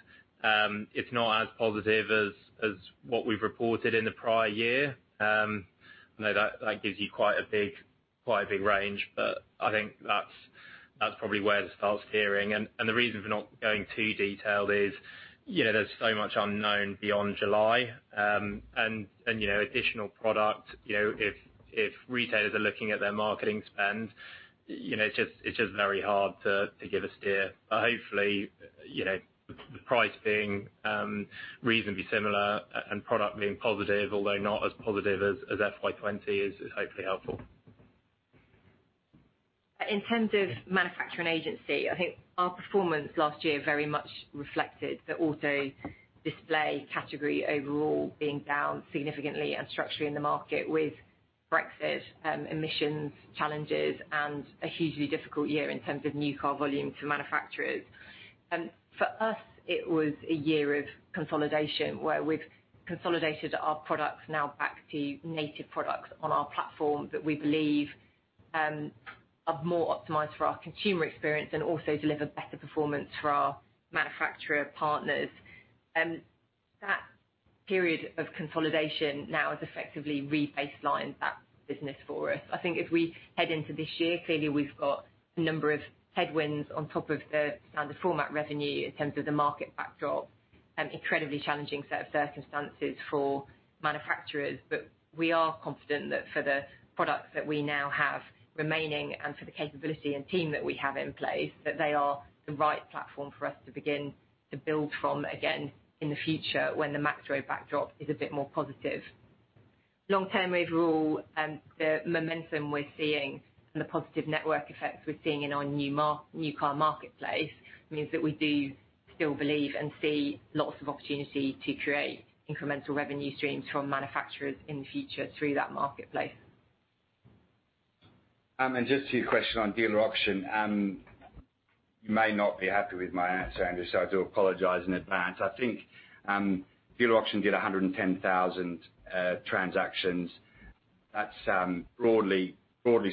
It's not as positive as what we've reported in the prior year. I know that gives you quite a big range, but I think that's probably where the start's steering. The reason for not going too detailed is there's so much unknown beyond July. Additional product, if retailers are looking at their marketing spend, it's just very hard to give a steer. Hopefully, the price being reasonably similar and product being positive, although not as positive as FY 2020, is hopefully helpful. In terms of manufacturing agency, I think our performance last year very much reflected the auto display category overall being down significantly and structurally in the market with Brexit, emissions challenges, and a hugely difficult year in terms of new car volume for manufacturers. For us, it was a year of consolidation, where we've consolidated our products now back to native products on our platform that we believe are more optimized for our consumer experience and also deliver better performance for our manufacturer partners. That period of consolidation now has effectively re-baselined that business for us. I think as we head into this year, clearly, we've got a number of headwinds on top of the standard format revenue in terms of the market backdrop. Incredibly challenging set of circumstances for manufacturers. We are confident that for the products that we now have remaining and for the capability and team that we have in place, that they are the right platform for us to begin to build from again in the future when the macro backdrop is a bit more positive. Long term, overall, the momentum we're seeing and the positive network effects we're seeing in our new car marketplace means that we do still believe and see lots of opportunity to create incremental revenue streams from manufacturers in the future through that marketplace. Just to your question on Dealer Auction. You may not be happy with my answer, Andrew, I do apologize in advance. I think Dealer Auction did 110,000 transactions. That's broadly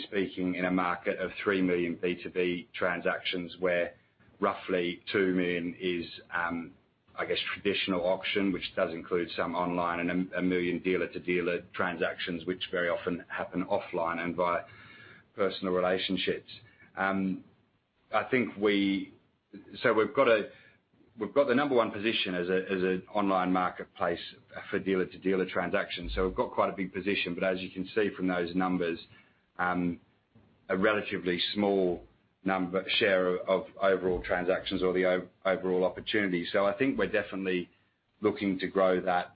speaking, in a market of three million B2B transactions where roughly two million is traditional auction, which does include some online and one million dealer-to-dealer transactions which very often happen offline and via personal relationships. We've got the number one position as an online marketplace for dealer-to-dealer transactions. We've got quite a big position, as you can see from those numbers, a relatively small share of overall transactions or the overall opportunity. I think we're definitely looking to grow that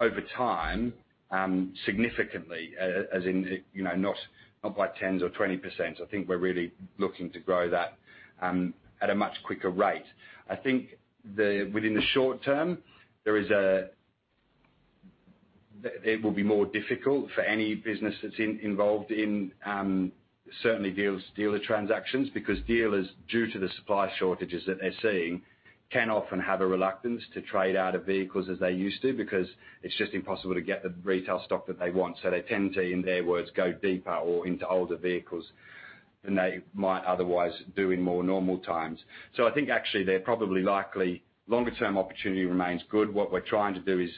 over time, significantly, as in not by 10% or 20%. I think we're really looking to grow that at a much quicker rate. I think within the short term, it will be more difficult for any business that's involved in certainly dealer-to-dealer transactions because dealers, due to the supply shortages that they're seeing, can often have a reluctance to trade out of vehicles as they used to, because it's just impossible to get the retail stock that they want. They tend to, in their words, go deeper or into older vehicles than they might otherwise do in more normal times. I think actually, they're probably likely longer term opportunity remains good. What we're trying to do is,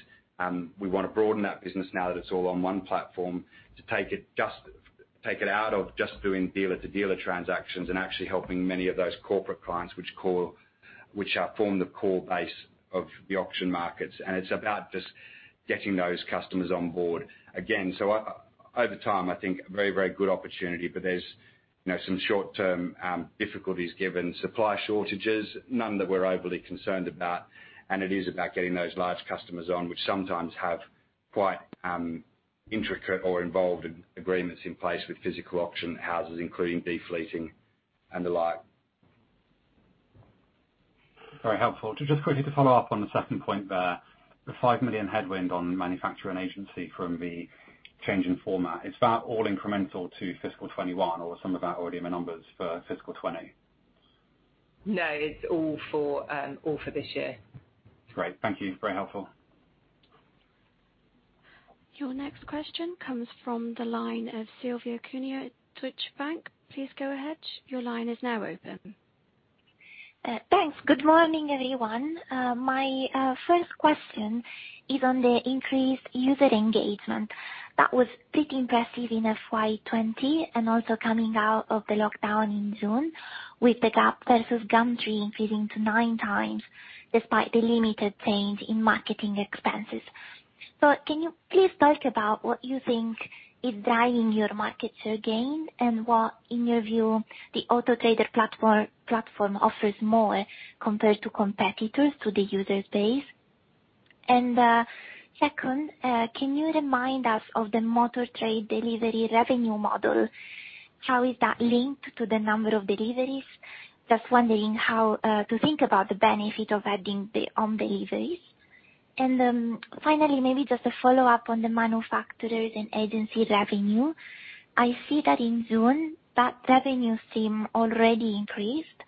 we want to broaden that business now that it's all on one platform to take it out of just doing dealer-to-dealer transactions and actually helping many of those corporate clients which form the core base of the auction markets. It's about just getting those customers on board again. Over time, I think very good opportunity, but there's some short-term difficulties given supply shortages, none that we're overly concerned about, and it is about getting those large customers on, which sometimes have quite intricate or involved agreements in place with physical auction houses, including defleeting and the like. Very helpful. Just quickly to follow up on the second point there, the 5 million headwind on manufacturer and agency from the change in format. Is that all incremental to FY 2021 or some of that already in the numbers for FY 2020? No, it's all for this year. Great. Thank you. Very helpful. Your next question comes from the line of Silvia Cuneo at Deutsche Bank. Please go ahead. Your line is now open. Thanks. Good morning, everyone. My first question is on the increased user engagement. That was pretty impressive in FY 2020 and also coming out of the lockdown in June with the gap versus Gumtree increasing to 9x despite the limited change in marketing expenses. Can you please talk about what you think is driving your market share gain and what, in your view, the Auto Trader platform offers more compared to competitors to the user base? Second, can you remind us of the Motor Trade Delivery revenue model? How is that linked to the number of deliveries? Just wondering how to think about the benefit of adding on deliveries. Finally, maybe just a follow-up on the manufacturers and agency revenue. I see that in June, that revenue seem already increased.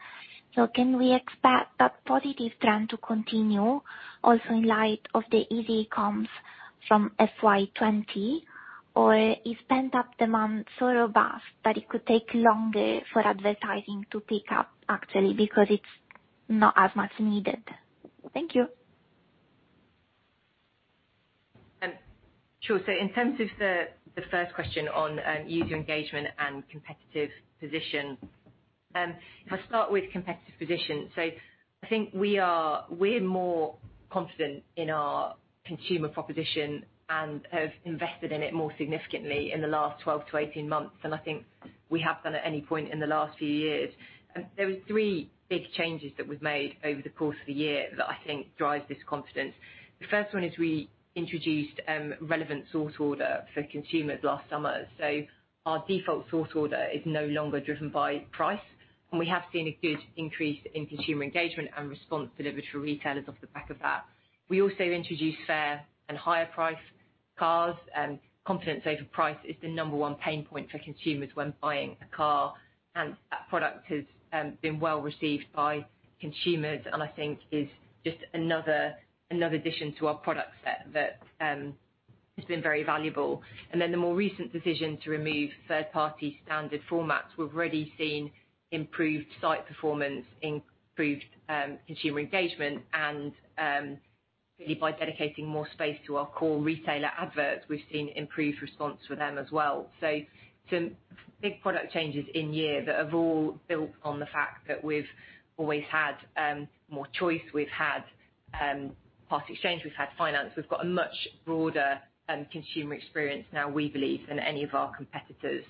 Can we expect that positive trend to continue also in light of the easy comps from FY 2020, or is pent-up demand so robust that it could take longer for advertising to pick up actually because it's not as much needed? Thank you. Sure. In terms of the first question on user engagement and competitive position. If I start with competitive position, I think we are more confident in our consumer proposition and have invested in it more significantly in the last 12-18 months than I think we have done at any point in the last few years. There were three big changes that were made over the course of the year that I think drives this confidence. The first one is we introduced relevant sort order for consumers last summer. Our default sort order is no longer driven by price, and we have seen a good increase in consumer engagement and response delivery to retailers off the back of that. We also introduced fair and higher priced cars. Confidence over price is the number one pain point for consumers when buying a car, that product has been well received by consumers, and I think is just another addition to our product set that has been very valuable. Then the more recent decision to remove third-party standard formats, we've already seen improved site performance, improved consumer engagement, and really by dedicating more space to our core retailer adverts, we've seen improved response for them as well. Some big product changes in year that have all built on the fact that we've always had more choice. We've had part exchange, we've had finance. We've got a much broader consumer experience now, we believe, than any of our competitors.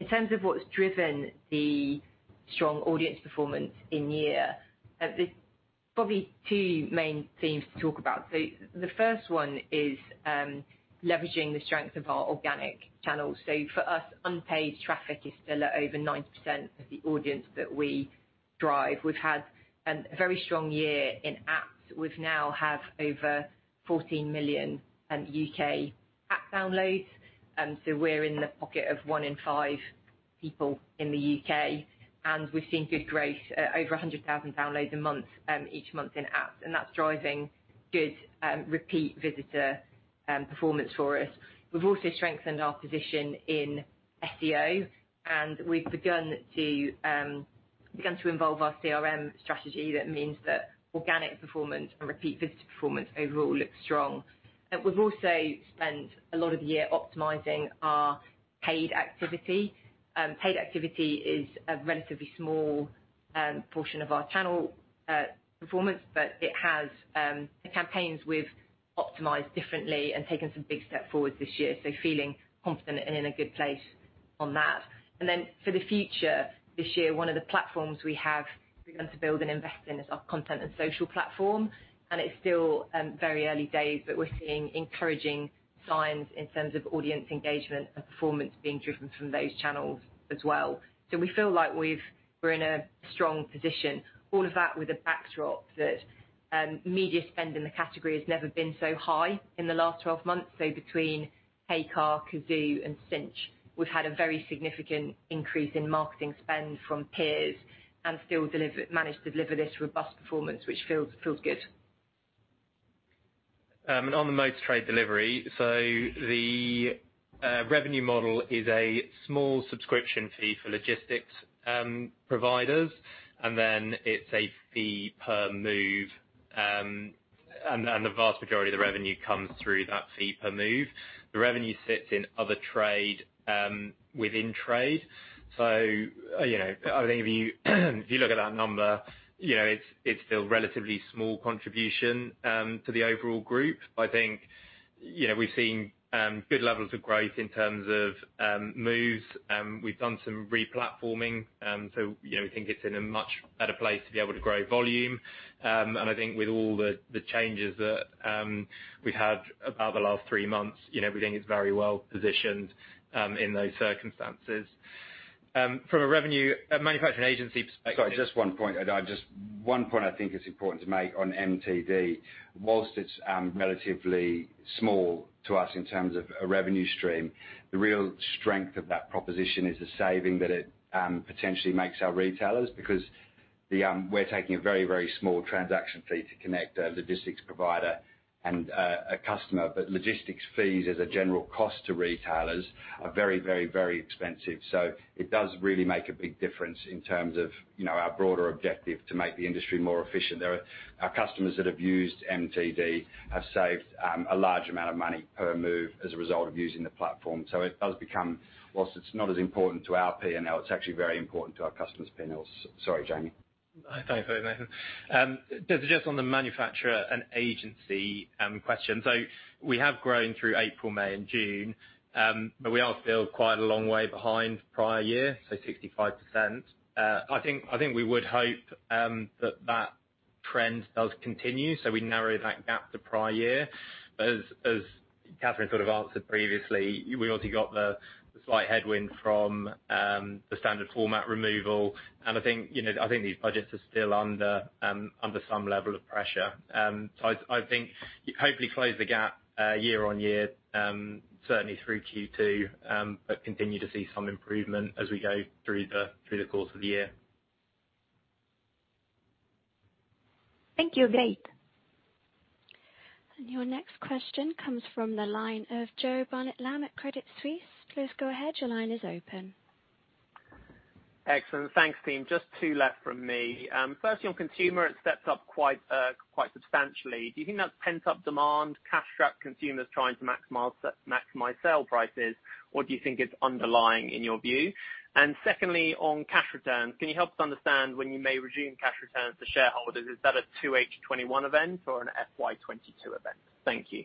In terms of what's driven the strong audience performance in year, there's probably two main themes to talk about. The first one is leveraging the strength of our organic channels. For us, unpaid traffic is still at over 90% of the audience that we drive. We've had a very strong year in apps. We now have over 14 million U.K. app downloads. We're in the pocket of one in five people in the U.K., and we've seen good growth at over 100,000 downloads a month, each month in apps. That's driving good repeat visitor performance for us. We've also strengthened our position in SEO, and we've begun to involve our CRM strategy. That means that organic performance and repeat visitor performance overall looks strong. We've also spent a lot of the year optimizing our paid activity. Paid activity is a relatively small portion of our channel performance, but it has the campaigns we've optimized differently and taken some big steps forward this year. Feeling confident and in a good place on that. For the future, this year, one of the platforms we have begun to build and invest in is our content and social platform. It's still very early days, but we're seeing encouraging signs in terms of audience engagement and performance being driven from those channels as well. We feel like we're in a strong position. All of that with a backdrop that media spend in the category has never been so high in the last 12 months. Between heycar, Cazoo, and cinch, we've had a very significant increase in marketing spend from peers and still managed to deliver this robust performance, which feels good. On the MTD, the revenue model is a small subscription fee for logistics providers, and then it's a fee per move, and the vast majority of the revenue comes through that fee per move. The revenue sits in other trade, within trade. I think if you look at that number, it's still a relatively small contribution to the overall group. I think, we've seen good levels of growth in terms of moves. We've done some re-platforming. We think it's in a much better place to be able to grow volume. I think with all the changes that we've had about the last three months, we think it's very well positioned in those circumstances. From a manufacturing agency perspective. Sorry, just one point. One point I think is important to make on MTD. Whilst it's relatively small to us in terms of a revenue stream, the real strength of that proposition is the saving that it potentially makes our retailers, because we're taking a very small transaction fee to connect a logistics provider and a customer. Logistics fees as a general cost to retailers are very expensive. It does really make a big difference in terms of our broader objective to make the industry more efficient. Our customers that have used MTD have saved a large amount of money per move as a result of using the platform. It does become, whilst it's not as important to our P&L, it's actually very important to our customers' P&Ls. Sorry, Jamie. No. Thanks for that, Nathan. Just on the manufacturer and agency question. We have grown through April, May, and June, but we are still quite a long way behind prior year, so 65%. I think we would hope that that trend does continue, so we narrow that gap to prior year. As Catherine sort of answered previously, we've also got the slight headwind from the standard format removal, and I think these budgets are still under some level of pressure. I think hopefully close the gap year on year, certainly through Q2, but continue to see some improvement as we go through the course of the year. Thank you. Great. Your next question comes from the line of Joe Barnet-Lamb at Credit Suisse. Please go ahead. Your line is open. Excellent. Thanks, team. Just two left from me. Firstly, on consumer, it stepped up quite substantially. Do you think that's pent-up demand, cash-strapped consumers trying to maximize sale prices, or do you think it's underlying in your view? Secondly, on cash returns, can you help us understand when you may resume cash returns to shareholders? Is that a 2H 2021 event or an FY 2022 event? Thank you.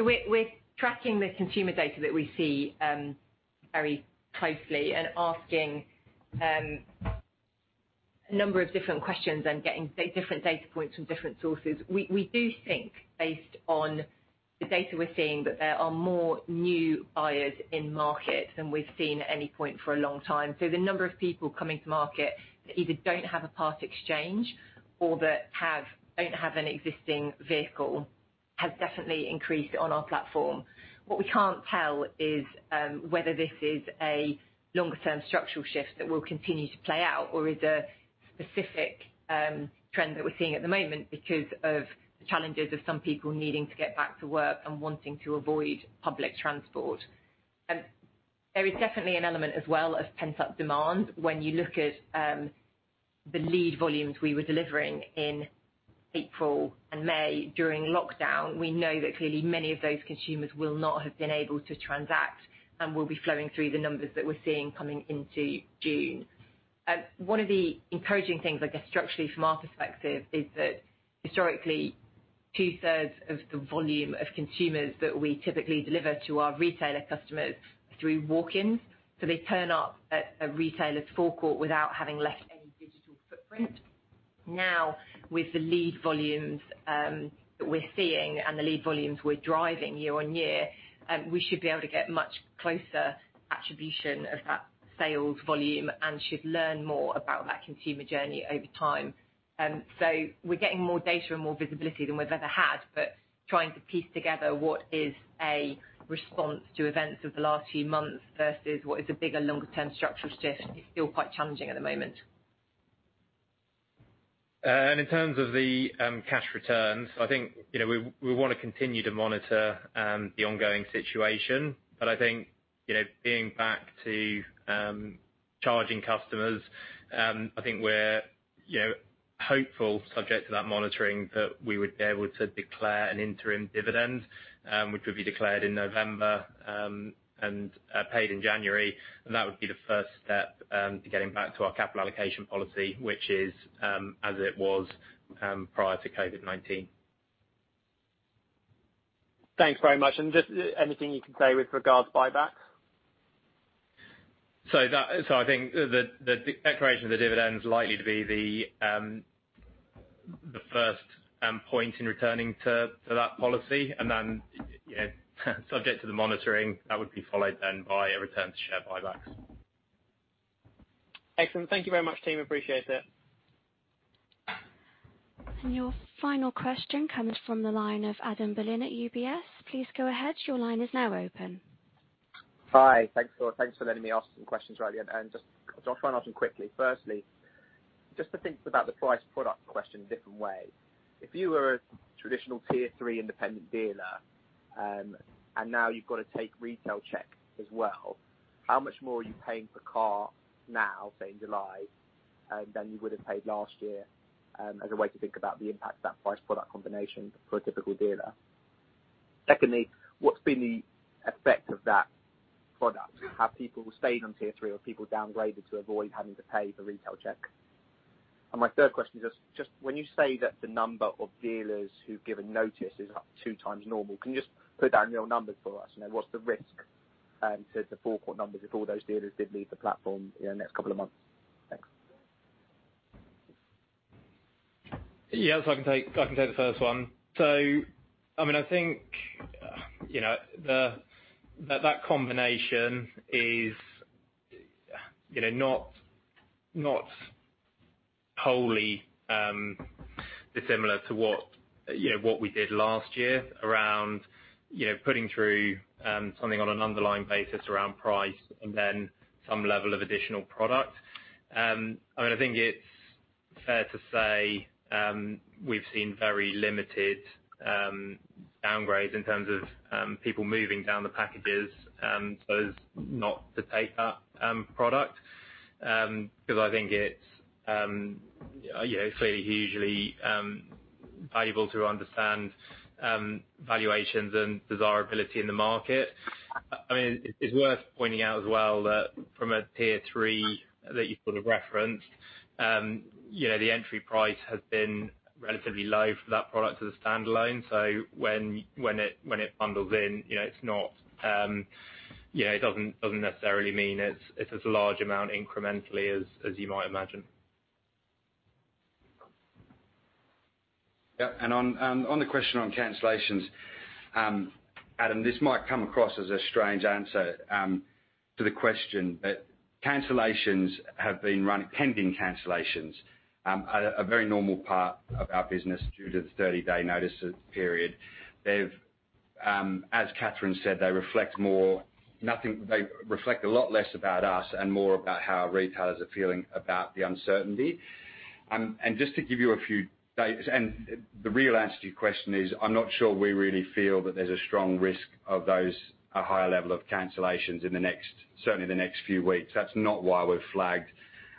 We're tracking the consumer data that we see very closely and asking a number of different questions and getting different data points from different sources. We do think, based on the data we're seeing, that there are more new buyers in market than we've seen at any point for a long time. The number of people coming to market that either don't have a part exchange or that don't have an existing vehicle has definitely increased on our platform. What we can't tell is whether this is a longer-term structural shift that will continue to play out or is a specific trend that we're seeing at the moment because of the challenges of some people needing to get back to work and wanting to avoid public transport. There is definitely an element as well of pent-up demand when you look at the lead volumes we were delivering in April and May during lockdown. We know that clearly many of those consumers will not have been able to transact and will be flowing through the numbers that we're seeing coming into June. One of the encouraging things, I guess, structurally from our perspective, is that historically two-thirds of the volume of consumers that we typically deliver to our retailer customers are through walk-ins. They turn up at a retailer's forecourt without having left any digital footprint. With the lead volumes that we're seeing and the lead volumes we're driving year-on-year, we should be able to get much closer attribution of that sales volume and should learn more about that consumer journey over time. We're getting more data and more visibility than we've ever had, but trying to piece together what is a response to events of the last few months versus what is a bigger longer-term structural shift is still quite challenging at the moment. In terms of the cash returns, I think we want to continue to monitor the ongoing situation. I think, being back to charging customers, I think we're hopeful, subject to that monitoring, that we would be able to declare an interim dividend, which would be declared in November and paid in January. That would be the first step to getting back to our capital allocation policy, which is as it was prior to COVID-19. Thanks very much. Just anything you can say with regards buyback? I think the declaration of the dividend is likely to be the first point in returning to that policy, and then subject to the monitoring, that would be followed then by a return to share buybacks. Excellent. Thank you very much, team. Appreciate it. Your final question comes from the line of Adam Berlin at UBS. Please go ahead. Your line is now open. Hi. Thanks for letting me ask some questions right at the end. Just I'll try and ask them quickly. Firstly, just to think about the price product question a different way, if you were a traditional tier 3 independent dealer, and now you've got to take Retail Check as well, how much more are you paying per car now, say in July, than you would have paid last year as a way to think about the impact of that price product combination for a typical dealer? Secondly, what's been the effect of that product? Have people stayed on tier 3, or people downgraded to avoid having to pay for Retail Check? My third question is just when you say that the number of dealers who've given notice is up 2x normal, can you just put that in real numbers for us? What's the risk to the full quarter numbers if all those dealers did leave the platform in the next couple of months? Thanks. I can take the first one. I think that combination is not wholly dissimilar to what we did last year around putting through something on an underlying basis around price and then some level of additional product. I think it's fair to say we've seen very limited downgrades in terms of people moving down the packages so as not to take that product, because I think it's fairly hugely valuable to understand valuations and desirability in the market. It's worth pointing out as well that from a tier 3 that you sort of referenced, the entry price has been relatively low for that product as a standalone. When it bundles in, it doesn't necessarily mean it's as large amount incrementally as you might imagine. On the question on cancellations, Adam, this might come across as a strange answer to the question, but pending cancellations are a very normal part of our business due to the 30-day notice period. As Catherine said, they reflect a lot less about us and more about how retailers are feeling about the uncertainty. The real answer to your question is, I'm not sure we really feel that there's a strong risk of those higher level of cancellations in certainly the next few weeks. That's not why we've flagged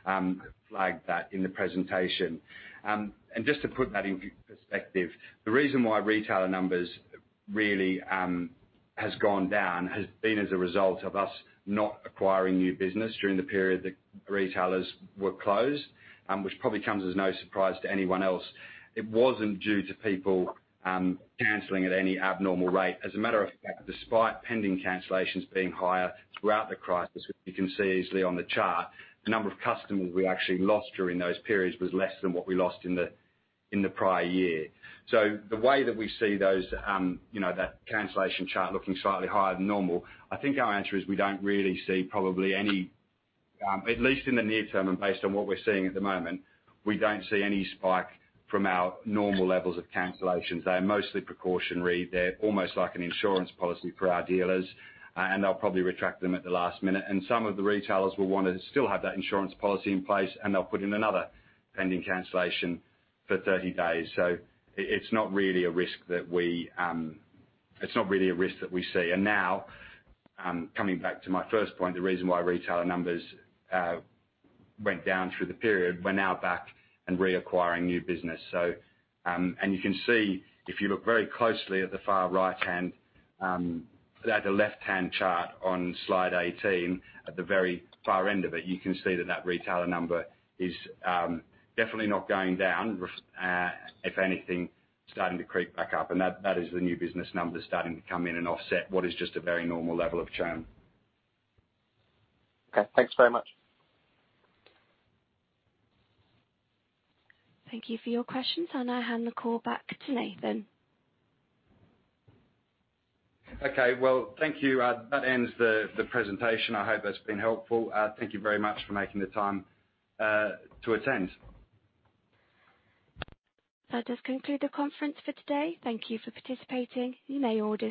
that in the presentation. Just to put that in perspective, the reason why retailer numbers really has gone down has been as a result of us not acquiring new business during the period the retailers were closed, which probably comes as no surprise to anyone else. It wasn't due to people canceling at any abnormal rate. As a matter of fact, despite pending cancellations being higher throughout the crisis, which you can see easily on the chart, the number of customers we actually lost during those periods was less than what we lost in the prior year. The way that we see that cancellation chart looking slightly higher than normal, I think our answer is we don't really see probably any, at least in the near term and based on what we're seeing at the moment, we don't see any spike from our normal levels of cancellations. They are mostly precautionary. They're almost like an insurance policy for our dealers, and they'll probably retract them at the last minute. Some of the retailers will want to still have that insurance policy in place, and they'll put in another pending cancellation for 30 days. It's not really a risk that we see. Now coming back to my first point, the reason why retailer numbers went down through the period, we're now back and reacquiring new business. You can see if you look very closely at the far right-hand, at the left-hand chart on slide 18, at the very far end of it, you can see that retailer number is definitely not going down, if anything, starting to creep back up. That is the new business numbers starting to come in and offset what is just a very normal level of churn. Okay. Thanks very much. Thank you for your questions. I'll now hand the call back to Nathan. Okay. Well, thank you. That ends the presentation. I hope it's been helpful. Thank you very much for making the time to attend. That does conclude the conference for today. Thank you for participating. You may all disconnect.